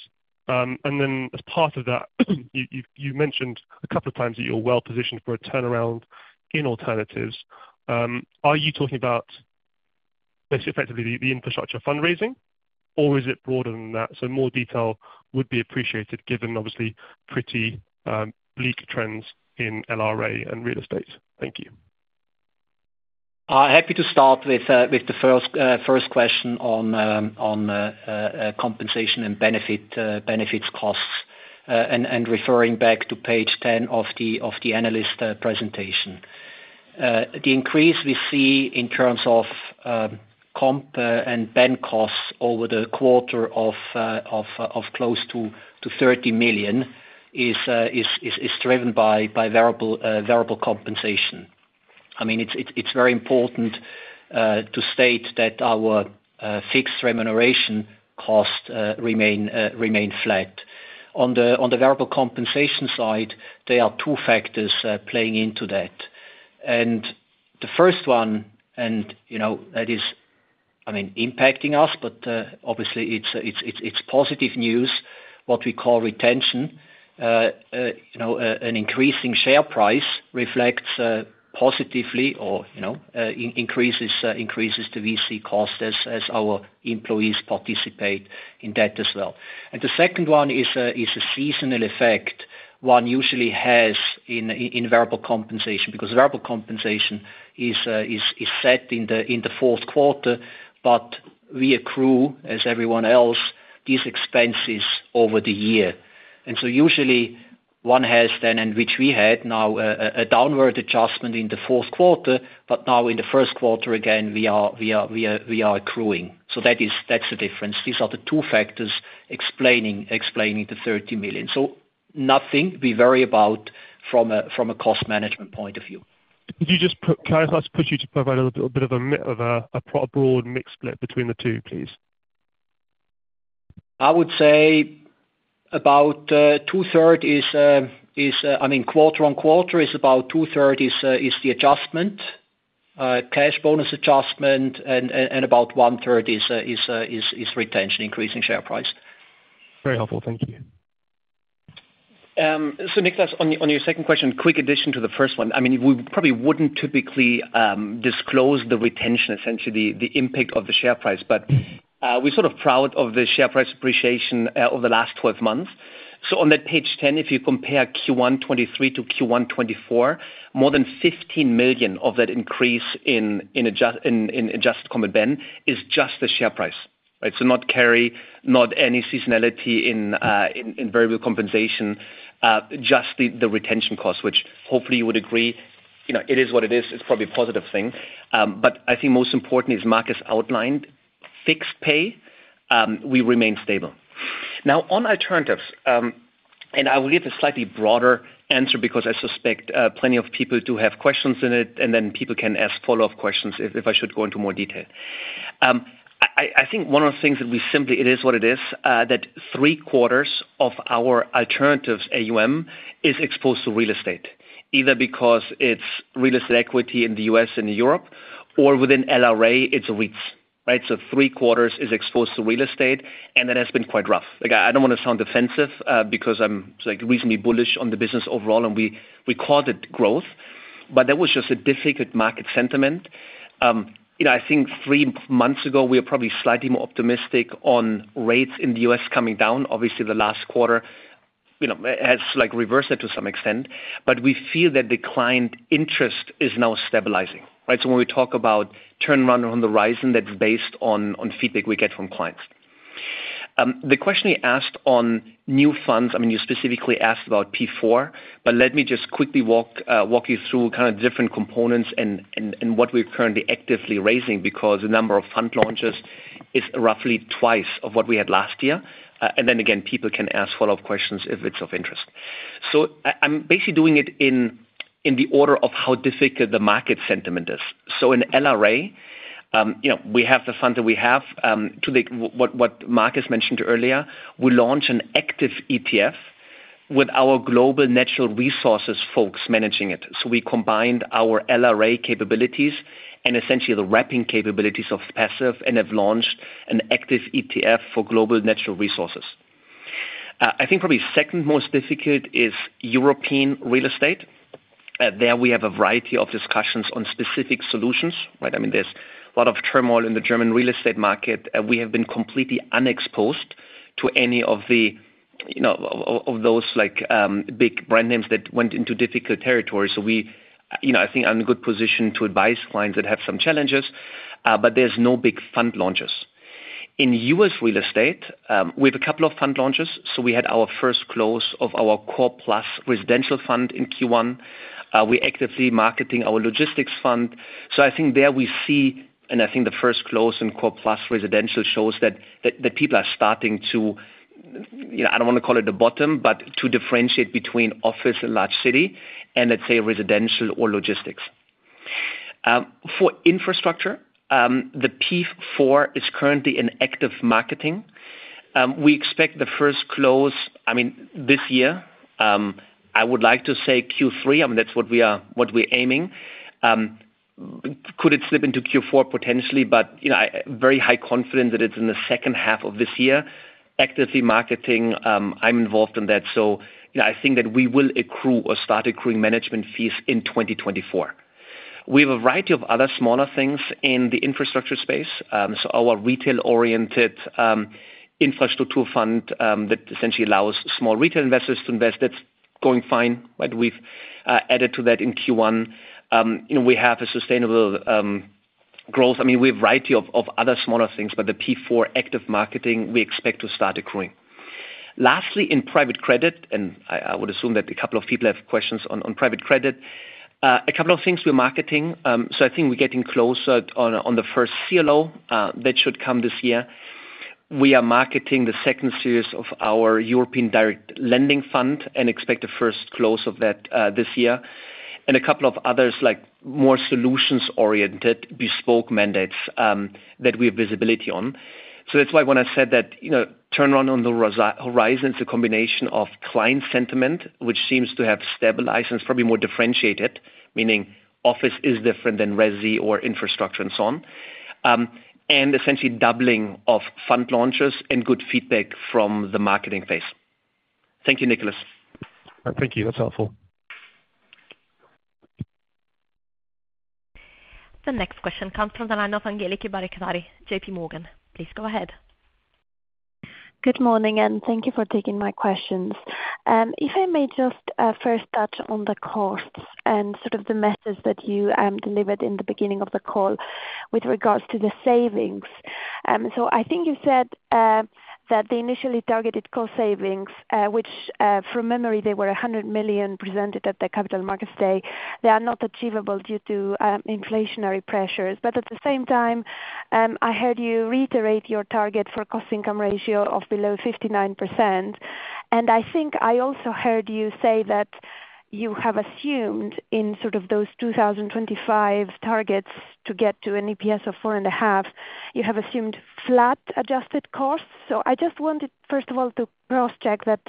Then as part of that, you mentioned a couple of times that you're well positioned for a turnaround in alternatives. Are you talking about, effectively, the infrastructure fundraising, or is it broader than that? So more detail would be appreciated given, obviously, pretty bleak trends in LRA and real estate. Thank you. I'm happy to start with the first question on compensation and benefits costs and referring back to Page 10 of the analyst presentation. The increase we see in terms of comp and Ben costs over the quarter of close to 30 million is driven by variable compensation. I mean, it's very important to state that our fixed remuneration costs remain flat. On the variable compensation side, there are two factors playing into that. And the first one, and that is, I mean, impacting us, but obviously, it's positive news, what we call retention. An increasing share price reflects positively or increases the VC cost as our employees participate in that as well. And the second one is a seasonal effect one usually has in variable compensation because variable compensation is set in the fourth quarter, but we accrue, as everyone else, these expenses over the year. And so usually, one has then, and which we had now, a downward adjustment in the fourth quarter, but now in the first quarter, again, we are accruing. So that's the difference. These are the two factors explaining the 30 million. So nothing we worry about from a cost management point of view. Can I ask you to provide a bit of a broad mixed split between the two, please? I would say about 2/3 is, I mean, quarter-on-quarter, about 2/3 is the adjustment, cash bonus adjustment, and about 1/3 is retention, increasing share price. Very helpful. Thank you. So Nicholas, on your second question, quick addition to the first one. I mean, we probably wouldn't typically disclose the retention, essentially, the impact of the share price, but we're sort of proud of the share price appreciation over the last 12 months. So on that Page 10, if you compare Q1 2023 to Q1 2024, more than 15 million of that increase in adjusted Comp and Ben is just the share price, right? So not carry, not any seasonality in variable compensation, just the retention cost, which hopefully, you would agree, it is what it is. It's probably a positive thing. But I think most importantly, as Markus outlined, fixed pay, we remain stable. Now, on alternatives, and I will give a slightly broader answer because I suspect plenty of people do have questions in it, and then people can ask follow-up questions if I should go into more detail. I think one of the things that we simply it is what it is, that 3/4 of our alternatives AUM is exposed to real estate, either because it's real estate equity in the U.S. and in Europe or within LRA, it's REITs, right so 3/4 is exposed to real estate, and that has been quite rough. I don't want to sound defensive because I'm reasonably bullish on the business overall, and we caught it growth, but that was just a difficult market sentiment. I think three months ago, we were probably slightly more optimistic on rates in the U.S. coming down. Obviously, the last quarter has reversed that to some extent, but we feel that declined interest is now stabilizing, right? So when we talk about turnaround on the horizon, that's based on feedback we get from clients. The question you asked on new funds I mean, you specifically asked about PEIF IV, but let me just quickly walk you through kind of different components and what we're currently actively raising because the number of fund launches is roughly twice of what we had last year. And then again, people can ask follow-up questions if it's of interest. So I'm basically doing it in the order of how difficult the market sentiment is. So in LRA, we have the fund that we have. What Markus mentioned earlier, we launch an active ETF with our global natural resources folks managing it. So we combined our LRA capabilities and essentially the wrapping capabilities of passive and have launched an active ETF for global natural resources. I think probably second most difficult is European real estate. There, we have a variety of discussions on specific solutions, right? I mean, there's a lot of turmoil in the German real estate market. We have been completely unexposed to any of those big brand names that went into difficult territory. So I think I'm in a good position to advise clients that have some challenges, but there's no big fund launches. In U.S. real estate, we have a couple of fund launches. So we had our first close of our Core Plus Residential Fund in Q1. We're actively marketing our logistics fund. So I think there we see and I think the first close in Core Plus Residential shows that people are starting to I don't want to call it the bottom, but to differentiate between office and large city and, let's say, residential or logistics. For infrastructure, the PEIF IV is currently in active marketing. We expect the first close I mean, this year. I would like to say Q3. I mean, that's what we're aiming. Could it slip into Q4 potentially, but I'm very highly confident that it's in the second half of this year. Actively marketing, I'm involved in that. So I think that we will accrue or start accruing management fees in 2024. We have a variety of other smaller things in the infrastructure space. So our retail-oriented infrastructure fund that essentially allows small retail investors to invest, that's going fine, right? We've added to that in Q1. We have a sustainable growth. I mean, we have a variety of other smaller things, but the PEIF II active marketing, we expect to start accruing. Lastly, in private credit and I would assume that a couple of people have questions on private credit. A couple of things we're marketing. So I think we're getting closer on the first CLO that should come this year. We are marketing the second series of our European Direct Lending Fund and expect the first close of that this year. A couple of others, like more solutions-oriented bespoke mandates that we have visibility on. That's why when I said that turnaround on the horizon is a combination of client sentiment, which seems to have stabilized and is probably more differentiated, meaning office is different than resi or infrastructure and so on, and essentially doubling of fund launches and good feedback from the marketing phase. Thank you, Nicholas. Thank you. That's helpful. The next question comes from the line of Angeliki Bairaktari, JP Morgan. Please go ahead. Good morning, and thank you for taking my questions. If I may just first touch on the costs and sort of the message that you delivered in the beginning of the call with regards to the savings. So I think you said that the initially targeted cost savings, which from memory, they were 100 million presented at the Capital Markets Day, they are not achievable due to inflationary pressures. But at the same time, I heard you reiterate your target for cost income ratio of below 59%. And I think I also heard you say that you have assumed in sort of those 2025 targets to get to an EPS of 4.5, you have assumed flat adjusted costs. So I just wanted, first of all, to cross-check that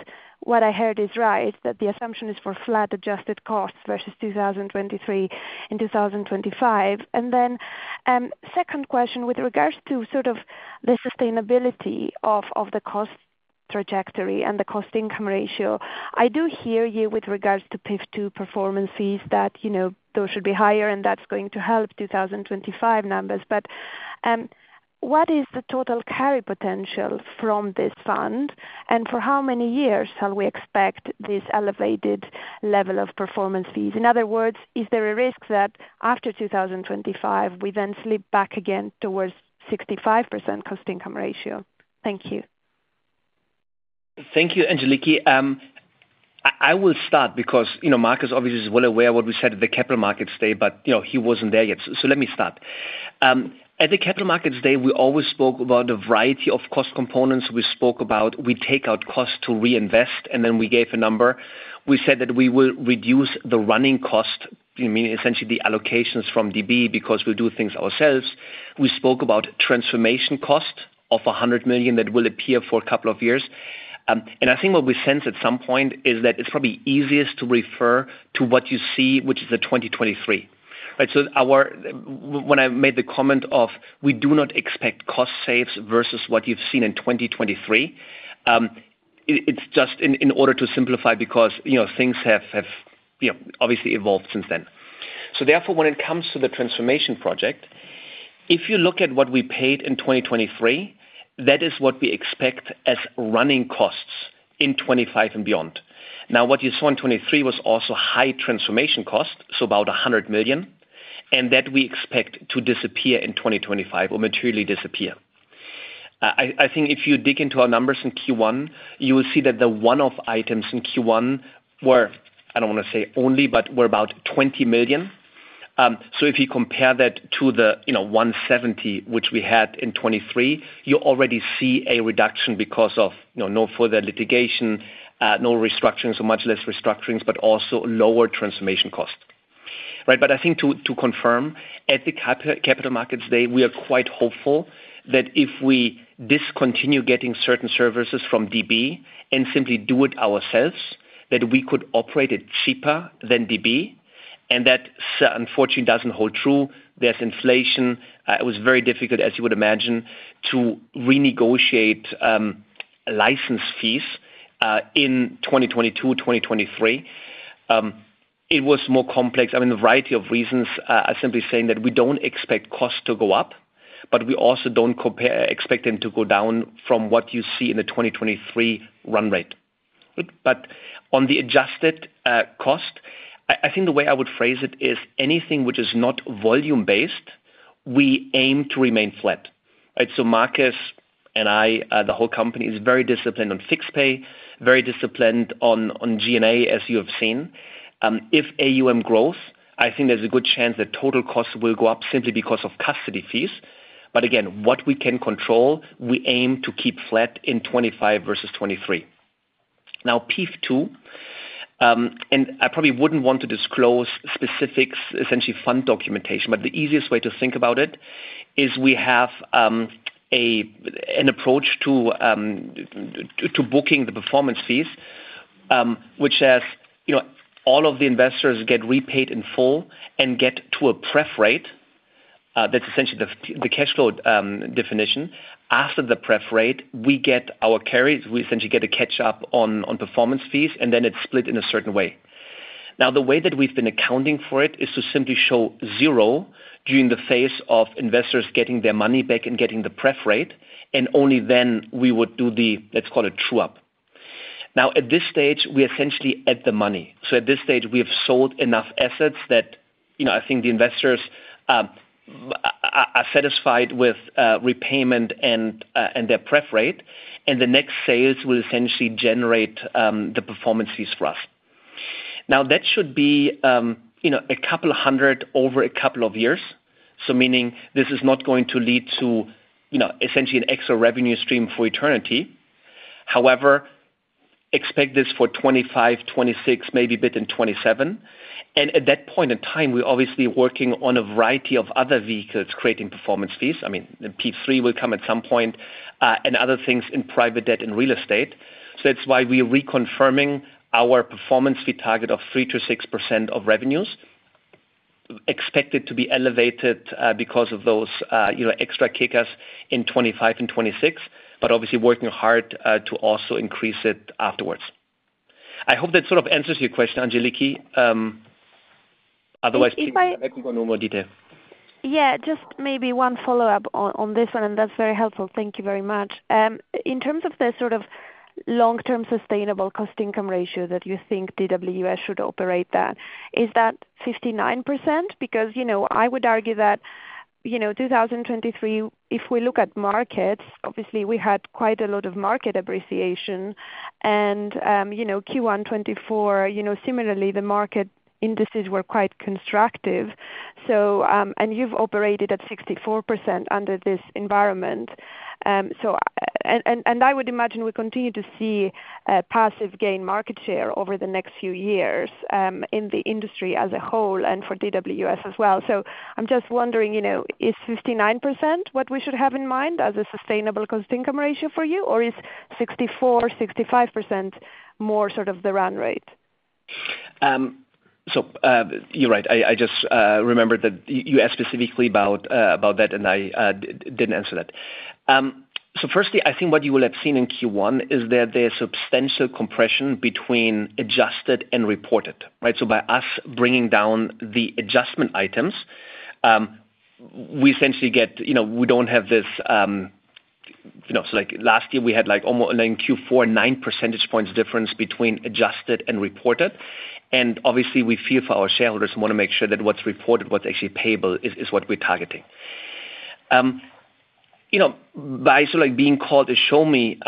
what I heard is right, that the assumption is for flat adjusted costs versus 2023 and 2025. Then second question, with regards to sort of the sustainability of the cost trajectory and the cost income ratio, I do hear you with regards to PEIF II performance fees that those should be higher, and that's going to help 2025 numbers. But what is the total carry potential from this fund, and for how many years shall we expect this elevated level of performance fees? In other words, is there a risk that after 2025, we then slip back again towards 65% cost income ratio? Thank you. Thank you, Angeliki. I will start because Markus, obviously, is well aware of what we said at the Capital Markets Day, but he wasn't there yet. So let me start. At the Capital Markets Day, we always spoke about a variety of cost components. We spoke about we take out cost to reinvest, and then we gave a number. We said that we will reduce the running cost, meaning essentially the allocations from DB because we'll do things ourselves. We spoke about transformation cost of 100 million that will appear for a couple of years. And I think what we sense at some point is that it's probably easiest to refer to what you see, which is the 2023, right? So when I made the comment of we do not expect cost saves versus what you've seen in 2023, it's just in order to simplify because things have obviously evolved since then. So therefore, when it comes to the transformation project, if you look at what we paid in 2023, that is what we expect as running costs in 2025 and beyond. Now, what you saw in 2023 was also high transformation cost, so about 100 million, and that we expect to disappear in 2025 or materially disappear. I think if you dig into our numbers in Q1, you will see that the one-off items in Q1 were, I don't want to say only, but were about 20 million. So if you compare that to the 170, which we had in 2023, you already see a reduction because of no further litigation, no restructurings, so much less restructurings, but also lower transformation cost, right? But I think to confirm, at the Capital Markets Day, we are quite hopeful that if we discontinue getting certain services from DB and simply do it ourselves, that we could operate it cheaper than DB. And that, unfortunately, doesn't hold true. There's inflation. It was very difficult, as you would imagine, to renegotiate license fees in 2022, 2023. It was more complex. I mean, a variety of reasons, simply saying that we don't expect cost to go up, but we also don't expect them to go down from what you see in the 2023 run rate. But on the adjusted cost, I think the way I would phrase it is anything which is not volume-based, we aim to remain flat, right? So Markus and I, the whole company, is very disciplined on fixed pay, very disciplined on G&A, as you have seen. If AUM grows, I think there's a good chance that total costs will go up simply because of custody fees. But again, what we can control, we aim to keep flat in 2025 versus 2023. Now, PEIF II, and I probably wouldn't want to disclose specifics, essentially fund documentation, but the easiest way to think about it is we have an approach to booking the performance fees, which has all of the investors get repaid in full and get to a pref rate. That's essentially the cash flow definition. After the pref rate, we get our carries. We essentially get a catch-up on performance fees, and then it's split in a certain way. Now, the way that we've been accounting for it is to simply show zero during the phase of investors getting their money back and getting the pref rate, and only then we would do the, let's call it, true-up. Now, at this stage, we're essentially at the money. So at this stage, we have sold enough assets that I think the investors are satisfied with repayment and their pref rate, and the next sales will essentially generate the performance fees for us. Now, that should be a couple of hundred over a couple of years, so meaning this is not going to lead to essentially an extra revenue stream for eternity. However, expect this for 2025, 2026, maybe a bit in 2027. At that point in time, we're obviously working on a variety of other vehicles creating performance fees. I mean, PEIF III will come at some point and other things in private debt and real estate. So that's why we're reconfirming our performance fee target of 3%-6% of revenues, expected to be elevated because of those extra kickers in 2025 and 2026, but obviously working hard to also increase it afterwards. I hope that sort of answers your question, Angeliki. Otherwise, I think we'll go into more detail. Yeah, just maybe one follow-up on this one, and that's very helpful. Thank you very much. In terms of the sort of long-term sustainable cost income ratio that you think DWS should operate, is that 59%? Because I would argue that 2023, if we look at markets, obviously, we had quite a lot of market appreciation. And Q1 2024, similarly, the market indices were quite constructive. And you've operated at 64% under this environment. And I would imagine we continue to see passive gain market share over the next few years in the industry as a whole and for DWS as well. So I'm just wondering, is 59% what we should have in mind as a sustainable cost income ratio for you, or is 64%-65% more sort of the run rate? So you're right. I just remembered that you asked specifically about that, and I didn't answer that. So firstly, I think what you will have seen in Q1 is that there's substantial compression between adjusted and reported, right? So by us bringing down the adjustment items, we essentially get we don't have this so last year, we had almost in Q4, 9 percentage points difference between adjusted and reported. And obviously, we feel for our shareholders and want to make sure that what's reported, what's actually payable, is what we're targeting. By sort of being called a show-me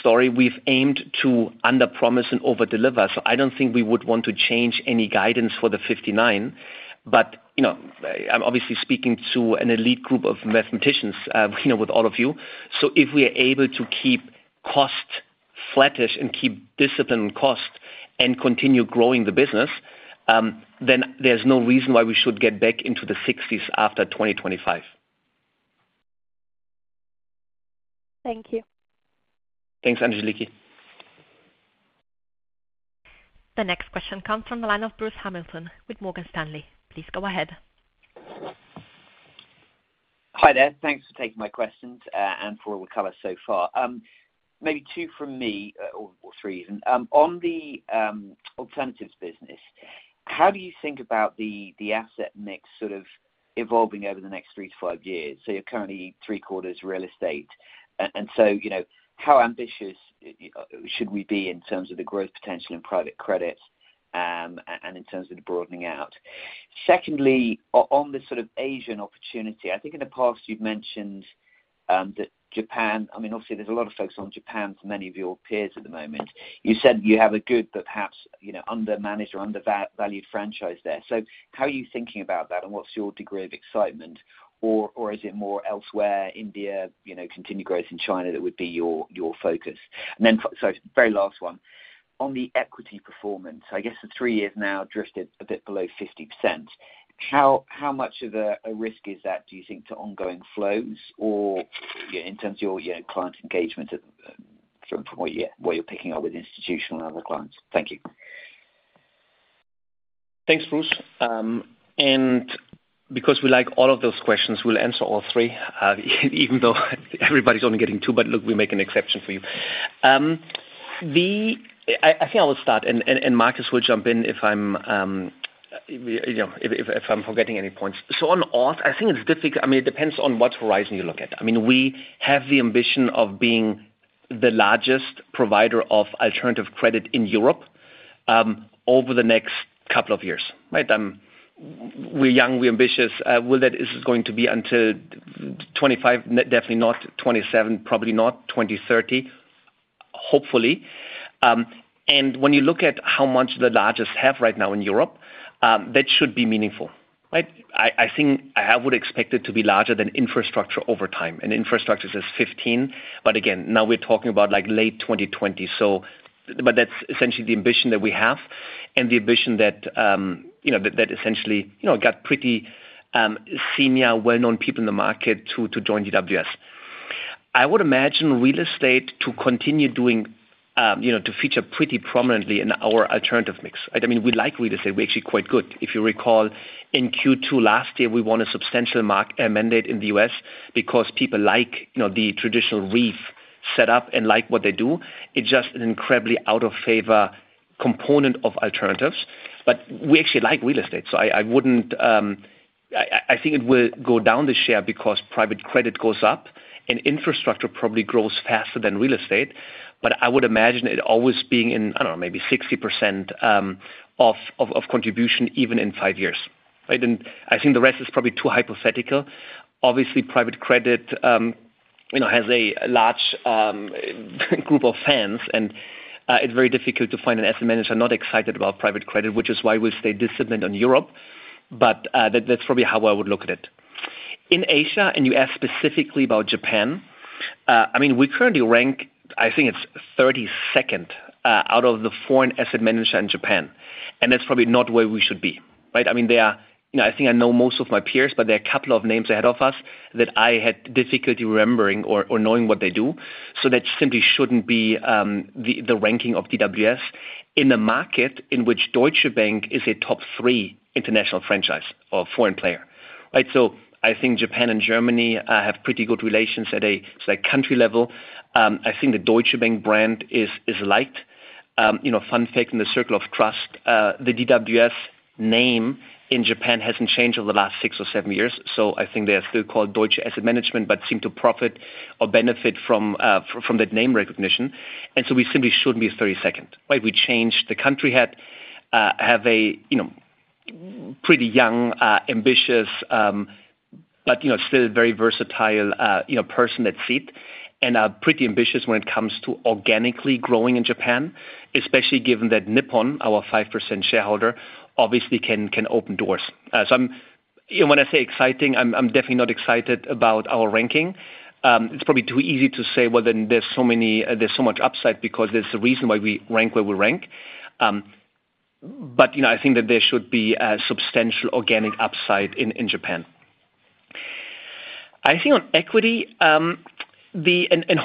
story, we've aimed to underpromise and overdeliver. So I don't think we would want to change any guidance for the 59. But I'm obviously speaking to an elite group of mathematicians with all of you. So if we are able to keep cost flattish and keep discipline on cost and continue growing the business, then there's no reason why we should get back into the 60s after 2025. Thank you. Thanks, Angeliki. The next question comes from the line of Bruce Hamilton with Morgan Stanley. Please go ahead. Hi there. Thanks for taking my questions and for what we've covered so far. Maybe two from me or three even. On the alternatives business, how do you think about the asset mix sort of evolving over the next three to five years? So you're currently 3/4 real estate. And so how ambitious should we be in terms of the growth potential in private credit and in terms of the broadening out? Secondly, on the sort of Asian opportunity, I think in the past, you've mentioned that Japan I mean, obviously, there's a lot of folks on Japan for many of your peers at the moment. You said you have a good but perhaps undermanaged or undervalued franchise there. So how are you thinking about that, and what's your degree of excitement? Or is it more elsewhere, India, continued growth in China that would be your focus? Sorry, very last one. On the equity performance, I guess the three years now drifted a bit below 50%. How much of a risk is that, do you think, to ongoing flows or in terms of your client engagement from what you're picking up with institutional and other clients? Thank you. Thanks, Bruce. And because we like all of those questions, we'll answer all three, even though everybody's only getting two. But look, we make an exception for you. I think I will start, and Markus will jump in if I'm forgetting any points. So on AUM, I think it's difficult. I mean, it depends on what horizon you look at. I mean, we have the ambition of being the largest provider of alternative credit in Europe over the next couple of years, right? We're young. We're ambitious. Is it going to be until 2025? Definitely not 2027, probably not 2030, hopefully. And when you look at how much the largest have right now in Europe, that should be meaningful, right? I think I would expect it to be larger than infrastructure over time. And infrastructure says 15. But again, now we're talking about late 2020. But that's essentially the ambition that we have and the ambition that essentially got pretty senior, well-known people in the market to join DWS. I would imagine real estate to continue to feature pretty prominently in our alternative mix, right? I mean, we like real estate. We're actually quite good. If you recall, in Q2 last year, we won a substantial mandate in the US because people like the traditional REIT setup and like what they do. It's just an incredibly out-of-favor component of alternatives. But we actually like real estate. So I think it will go down its share because private credit goes up, and infrastructure probably grows faster than real estate. But I would imagine it always being in, I don't know, maybe 60% of contribution even in five years, right? And I think the rest is probably too hypothetical. Obviously, private credit has a large group of fans, and it's very difficult to find an asset manager not excited about private credit, which is why we'll stay disciplined on Europe. But that's probably how I would look at it. In Asia and you asked specifically about Japan, I mean, we currently rank, I think it's 32nd out of the foreign asset manager in Japan. That's probably not where we should be, right? I mean, I think I know most of my peers, but there are a couple of names ahead of us that I had difficulty remembering or knowing what they do. That simply shouldn't be the ranking of DWS in a market in which Deutsche Bank is a top three international franchise or foreign player, right? I think Japan and Germany have pretty good relations at a country level. I think the Deutsche Bank brand is liked. Fun fact in the circle of trust, the DWS name in Japan hasn't changed over the last six or seven years. So I think they are still called Deutsche Asset Management but seem to profit or benefit from that name recognition. And so we simply shouldn't be 32nd, right? We changed. The country had a pretty young, ambitious, but still very versatile person that seat and are pretty ambitious when it comes to organically growing in Japan, especially given that Nippon, our 5% shareholder, obviously can open doors. So when I say exciting, I'm definitely not excited about our ranking. It's probably too easy to say, "Well, then there's so much upside because there's a reason why we rank where we rank." But I think that there should be substantial organic upside in Japan. I think on equity, and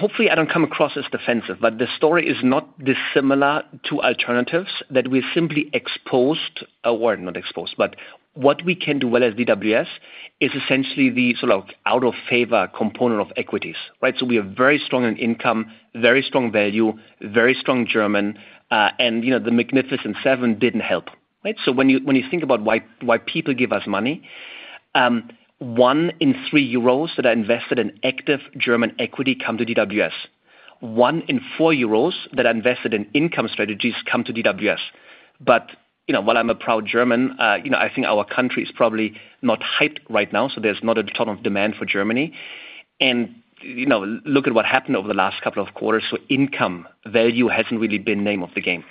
hopefully, I don't come across as defensive, but the story is not dissimilar to alternatives that we simply exposed or not exposed, but what we can do well as DWS is essentially the sort of out-of-favor component of equities, right? So we are very strong in income, very strong value, very strong German. And the Magnificent Seven didn't help, right? So when you think about why people give us money, one in three euros that are invested in active German equity come to DWS. One in four euros that are invested in income strategies come to DWS. But while I'm a proud German, I think our country is probably not hyped right now. So there's not a ton of demand for Germany. And look at what happened over the last couple of quarters. So income, value hasn't really been the name of the game.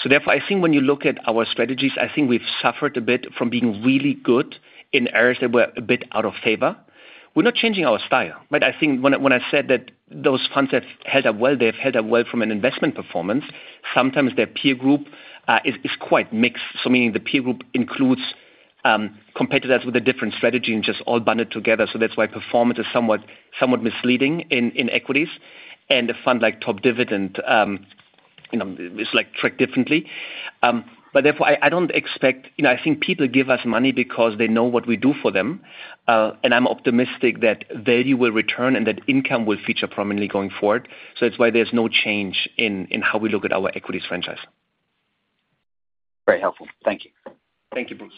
So therefore, I think when you look at our strategies, I think we've suffered a bit from being really good in areas that were a bit out of favor. We're not changing our style, right? I think when I said that those funds have held up well, they have held up well from an investment performance. Sometimes their peer group is quite mixed, so meaning the peer group includes competitors with a different strategy and just all bundled together. So that's why performance is somewhat misleading in equities. And a fund like Top Dividend, it's tracked differently. But therefore, I don't expect I think people give us money because they know what we do for them. And I'm optimistic that value will return and that income will feature prominently going forward. So that's why there's no change in how we look at our equities franchise. Very helpful. Thank you. Thank you, Bruce.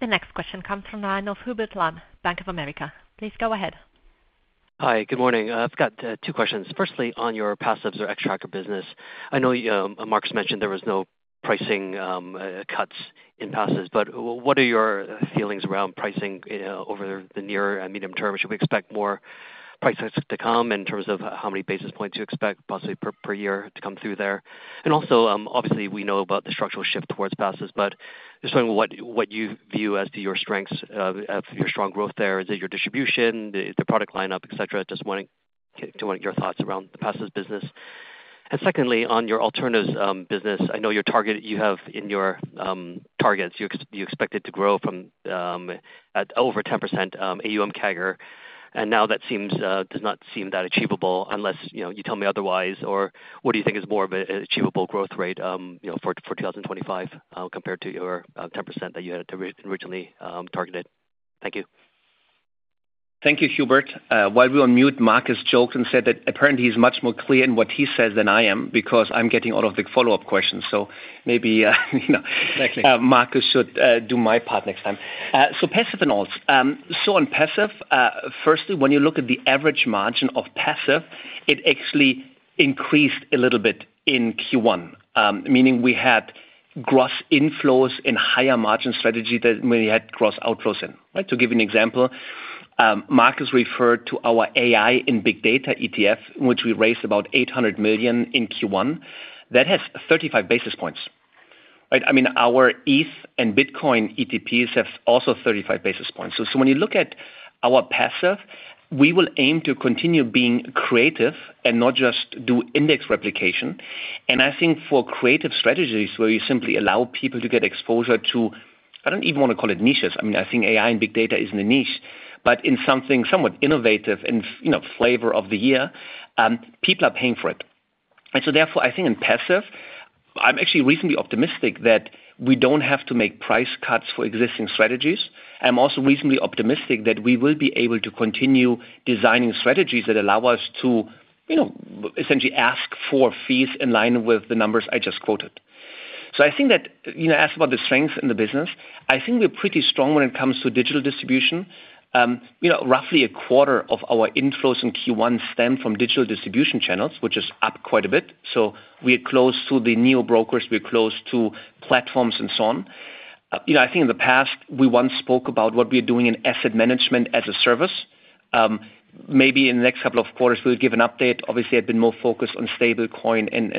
The next question comes from the line of Hubert Lam, Bank of America. Please go ahead. Hi. Good morning. I've got two questions. Firstly, on your passives or Xtrackers business, I know Markus mentioned there was no pricing cuts in passives, but what are your feelings around pricing over the near and medium term? Should we expect more price cuts to come in terms of how many basis points you expect possibly per year to come through there? And also, obviously, we know about the structural shift towards passives, but just what you view as to your strengths, your strong growth there. Is it your distribution? Is it the product lineup, etc.? Just wanting to know your thoughts around the passives business. And secondly, on your alternatives business, I know you have in your targets, you expect it to grow over 10% AUM/CAGR. And now that does not seem that achievable unless you tell me otherwise. What do you think is more of an achievable growth rate for 2025 compared to your 10% that you had originally targeted? Thank you. Thank you, Hubert. While we were on mute, Markus joked and said that apparently, he's much more clear in what he says than I am because I'm getting all of the follow-up questions. So maybe Markus should do my part next time. So passive and active. So on passive, firstly, when you look at the average margin of passive, it actually increased a little bit in Q1, meaning we had gross inflows in higher margin strategy than when we had gross outflows in, right? To give you an example, Markus referred to our AI and Big Data ETF, which we raised about 800 million in Q1. That has 35 basis points, right? I mean, our ETH and Bitcoin ETPs have also 35 basis points. So when you look at our passive, we will aim to continue being creative and not just do index replication. And I think for creative strategies where you simply allow people to get exposure to. I don't even want to call it niches. I mean, I think AI in big data isn't a niche, but in something somewhat innovative and flavor of the year, people are paying for it. And so therefore, I think in passive, I'm actually reasonably optimistic that we don't have to make price cuts for existing strategies. And I'm also reasonably optimistic that we will be able to continue designing strategies that allow us to essentially ask for fees in line with the numbers I just quoted. So I think that asked about the strengths in the business. I think we're pretty strong when it comes to digital distribution. Roughly a quarter of our inflows in Q1 stem from digital distribution channels, which is up quite a bit. So we are close to the neobrokers. We are close to platforms and so on. I think in the past, we once spoke about what we are doing in asset management as a service. Maybe in the next couple of quarters, we'll give an update. Obviously, I'd been more focused on stablecoin and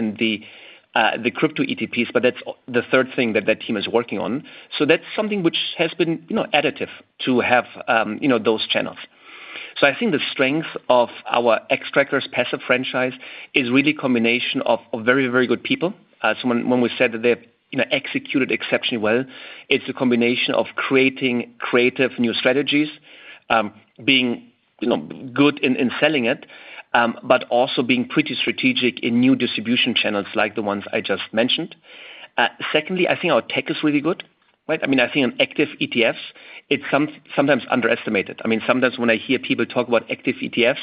the crypto ETPs. But that's the third thing that that team is working on. So that's something which has been additive to have those channels. So I think the strength of our Xtrackers passive franchise is really a combination of very, very good people. So when we said that they have executed exceptionally well, it's a combination of creating creative new strategies, being good in selling it, but also being pretty strategic in new distribution channels like the ones I just mentioned. Secondly, I think our tech is really good, right? I mean, I think in active ETFs, it's sometimes underestimated. I mean, sometimes when I hear people talk about active ETFs,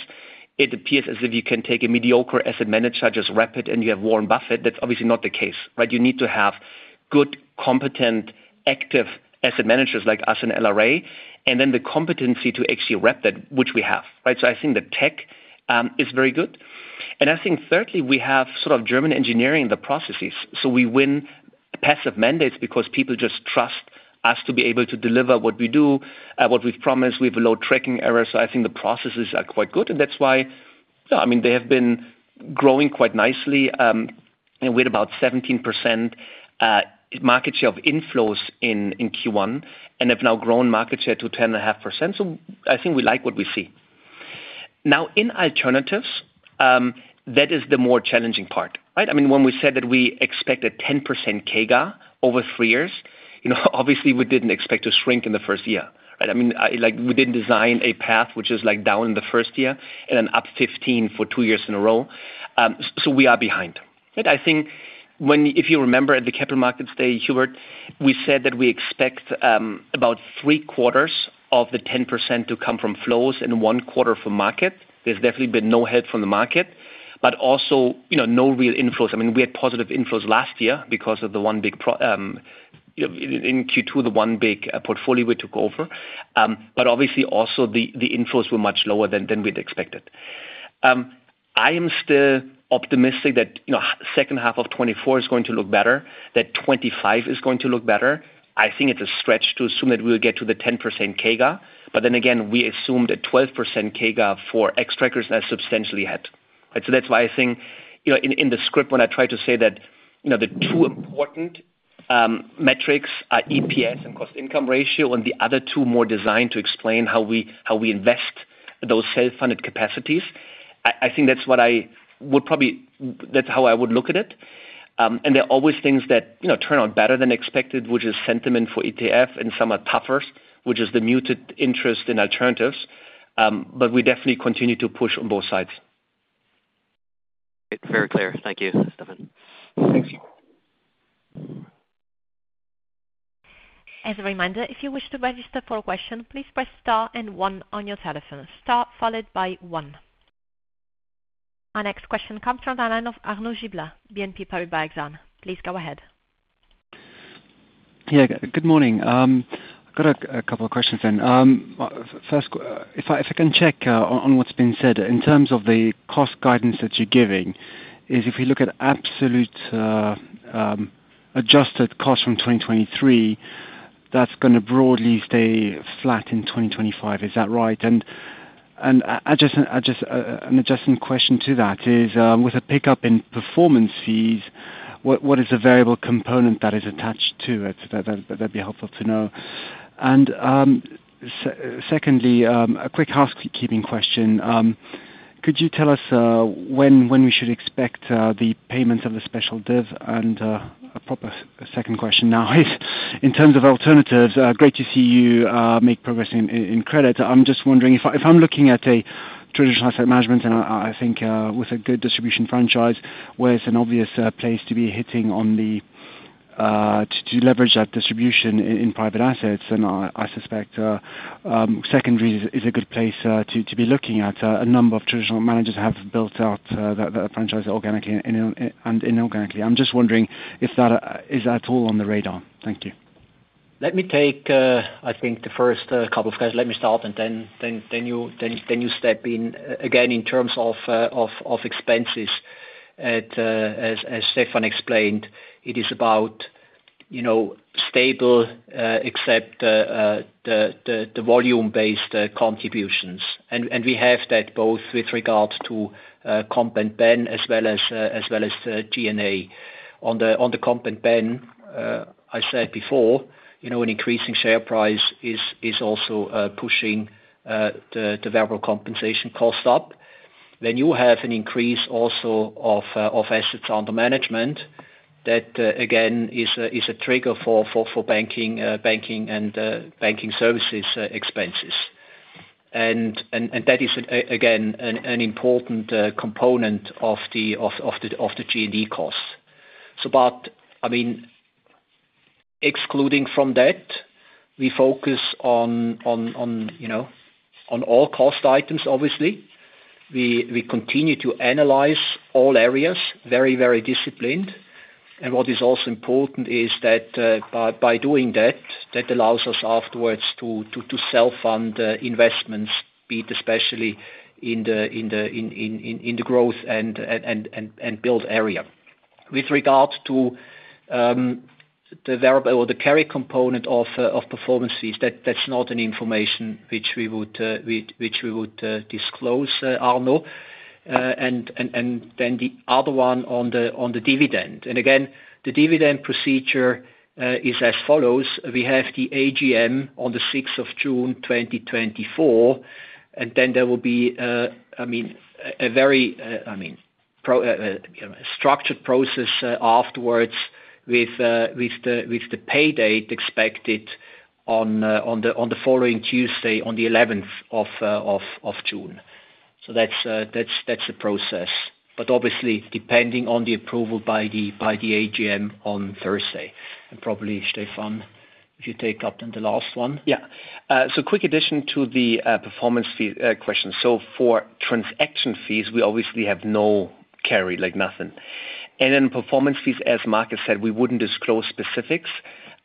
it appears as if you can take a mediocre asset manager, just wrap it, and you have Warren Buffett. That's obviously not the case, right? You need to have good, competent, active asset managers like us in LRA and then the competency to actually wrap that, which we have, right? So I think the tech is very good. And I think thirdly, we have sort of German engineering in the processes. So we win passive mandates because people just trust us to be able to deliver what we do, what we've promised. We have a low tracking error. So I think the processes are quite good. And that's why, yeah, I mean, they have been growing quite nicely. And we had about 17% market share of inflows in Q1 and have now grown market share to 10.5%. So I think we like what we see. Now, in alternatives, that is the more challenging part, right? I mean, when we said that we expect a 10% CAGR over three years, obviously, we didn't expect to shrink in the first year, right? I mean, we didn't design a path which is down in the first year and then up 15% for two years in a row. So we are behind, right? I think if you remember at the Capital Markets Day, Hubert, we said that we expect about 3/4 of the 10% to come from flows and one-quarter from market. There's definitely been no help from the market but also no real inflows. I mean, we had positive inflows last year because of the one big in Q2, the one big portfolio we took over. But obviously, also, the inflows were much lower than we had expected. I am still optimistic that second half of 2024 is going to look better, that 2025 is going to look better. I think it's a stretch to assume that we will get to the 10% CAGR. But then again, we assumed a 12% CAGR for Xtrackers and are substantially ahead, right? So that's why I think in the script, when I try to say that the two important metrics are EPS and cost-income ratio and the other two more designed to explain how we invest those self-funded capacities, I think that's what I would probably that's how I would look at it. And there are always things that turn out better than expected, which is sentiment for ETF, and some are tougher, which is the muted interest in alternatives. But we definitely continue to push on both sides. Very clear. Thank you, Stefan. Thank you. As a reminder, if you wish to register for a question, please press star and one on your telephone. Star followed by one. Our next question comes from the line of Arnaud Giblat, BNP Paribas Exane. Please go ahead. Yeah. Good morning. I've got a couple of questions then. First, if I can check on what's been said, in terms of the cost guidance that you're giving, if we look at absolute adjusted costs from 2023, that's going to broadly stay flat in 2025. Is that right? And an adjusting question to that is, with a pickup in performance fees, what is the variable component that is attached to it? That'd be helpful to know. And secondly, a quick housekeeping question. Could you tell us when we should expect the payments of the special div? And a proper second question now is, in terms of alternatives, great to see you make progress in credit. I'm just wondering, if I'm looking at a traditional asset management, and I think with a good distribution franchise, where it's an obvious place to be hitting on the to leverage that distribution in private assets, then I suspect secondary is a good place to be looking at. A number of traditional managers have built out that franchise organically and inorganically. I'm just wondering if that is at all on the radar. Thank you. Let me take, I think, the first couple of questions. Let me start, and then you step in. Again, in terms of expenses, as Stefan explained, it is about stable except the volume-based contributions. And we have that both with regard to comp and ben as well as G&A. On the comp and ben, I said before, an increasing share price is also pushing the variable compensation cost up. When you have an increase also of assets under management, that, again, is a trigger for banking and banking services expenses. And that is, again, an important component of the G&A cost. So but I mean, excluding from that, we focus on all cost items, obviously. We continue to analyze all areas very, very disciplined. And what is also important is that by doing that, that allows us afterwards to self-fund investments, be it especially in the growth and build area. With regard to the variable or the carry component of performance fees, that's not an information which we would disclose, Arnaud. Then the other one on the dividend. Again, the dividend procedure is as follows. We have the AGM on the 6th of June 2024. Then there will be, I mean, a very I mean, structured process afterwards with the pay date expected on the following Tuesday, on the 11th of June. So that's the process. But obviously, depending on the approval by the AGM on Thursday. Probably, Stefan, would you take up then the last one? Yeah. So quick addition to the performance fee question. So for transaction fees, we obviously have no carry, like nothing. And then performance fees, as Markus said, we wouldn't disclose specifics.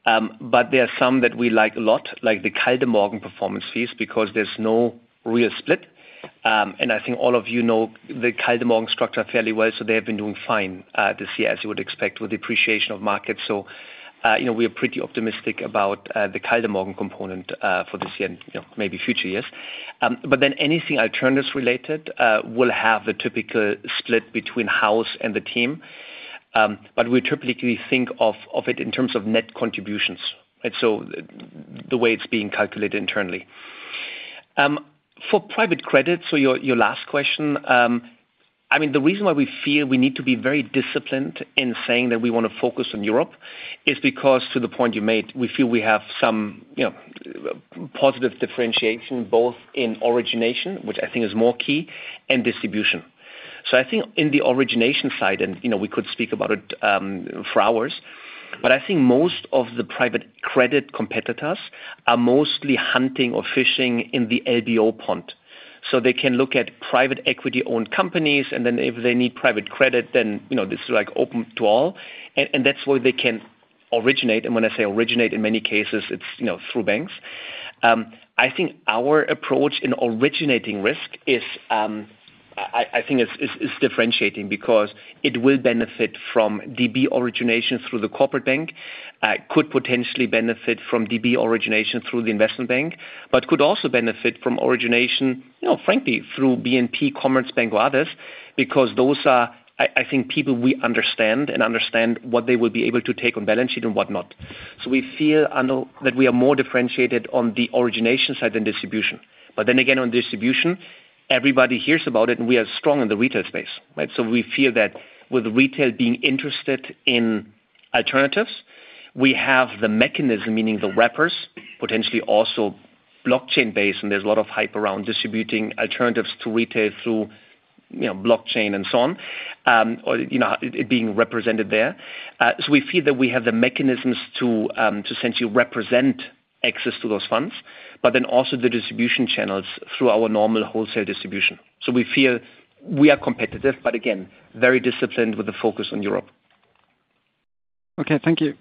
But there are some that we like a lot, like the Kaldemorgen performance fees, because there's no real split. And I think all of you know the Kaldemorgen structure fairly well. So they have been doing fine this year, as you would expect, with the appreciation of markets. So we are pretty optimistic about the Kaldemorgen component for this year and maybe future years. But then anything alternatives related will have the typical split between house and the team. But we typically think of it in terms of net contributions, right? So the way it's being calculated internally. For private credit, so your last question, I mean, the reason why we feel we need to be very disciplined in saying that we want to focus on Europe is because, to the point you made, we feel we have some positive differentiation both in origination, which I think is more key, and distribution. So I think in the origination side, and we could speak about it for hours, but I think most of the private credit competitors are mostly hunting or fishing in the LBO pond. So they can look at private equity-owned companies. And then if they need private credit, then it's open to all. And that's where they originate. And when I say originate, in many cases, it's through banks. I think our approach in originating risk is, I think, differentiating because it will benefit from DB origination through the corporate bank, could potentially benefit from DB origination through the investment bank, but could also benefit from origination, frankly, through BNP, Commerzbank, or others because those are, I think, people we understand and understand what they will be able to take on balance sheet and whatnot. So we feel, Arnaud, that we are more differentiated on the origination side than distribution. But then again, on distribution, everybody hears about it, and we are strong in the retail space, right? So we feel that with retail being interested in alternatives, we have the mechanism, meaning the wrappers, potentially also blockchain-based. And there's a lot of hype around distributing alternatives to retail through blockchain and so on, or it being represented there. So we feel that we have the mechanisms to essentially represent access to those funds but then also the distribution channels through our normal wholesale distribution. So we feel we are competitive but, again, very disciplined with a focus on Europe. Okay. Thank you.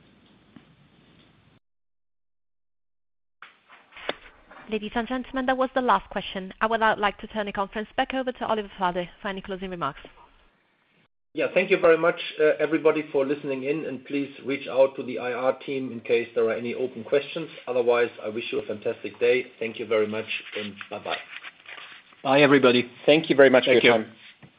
Ladies and gentlemen, that was the last question. I would like to turn the conference back over to Oliver Flade for any closing remarks. Yeah. Thank you very much, everybody, for listening in. Please reach out to the IR team in case there are any open questions. Otherwise, I wish you a fantastic day. Thank you very much, and bye-bye. Bye, everybody. Thank you very much for your time. Thank you.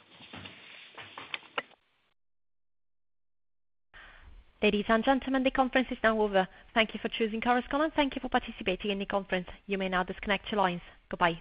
Ladies and gentlemen, the conference is now over. Thank you for choosing Chorus Call, and thank you for participating in the conference. You may now disconnect your lines. Goodbye.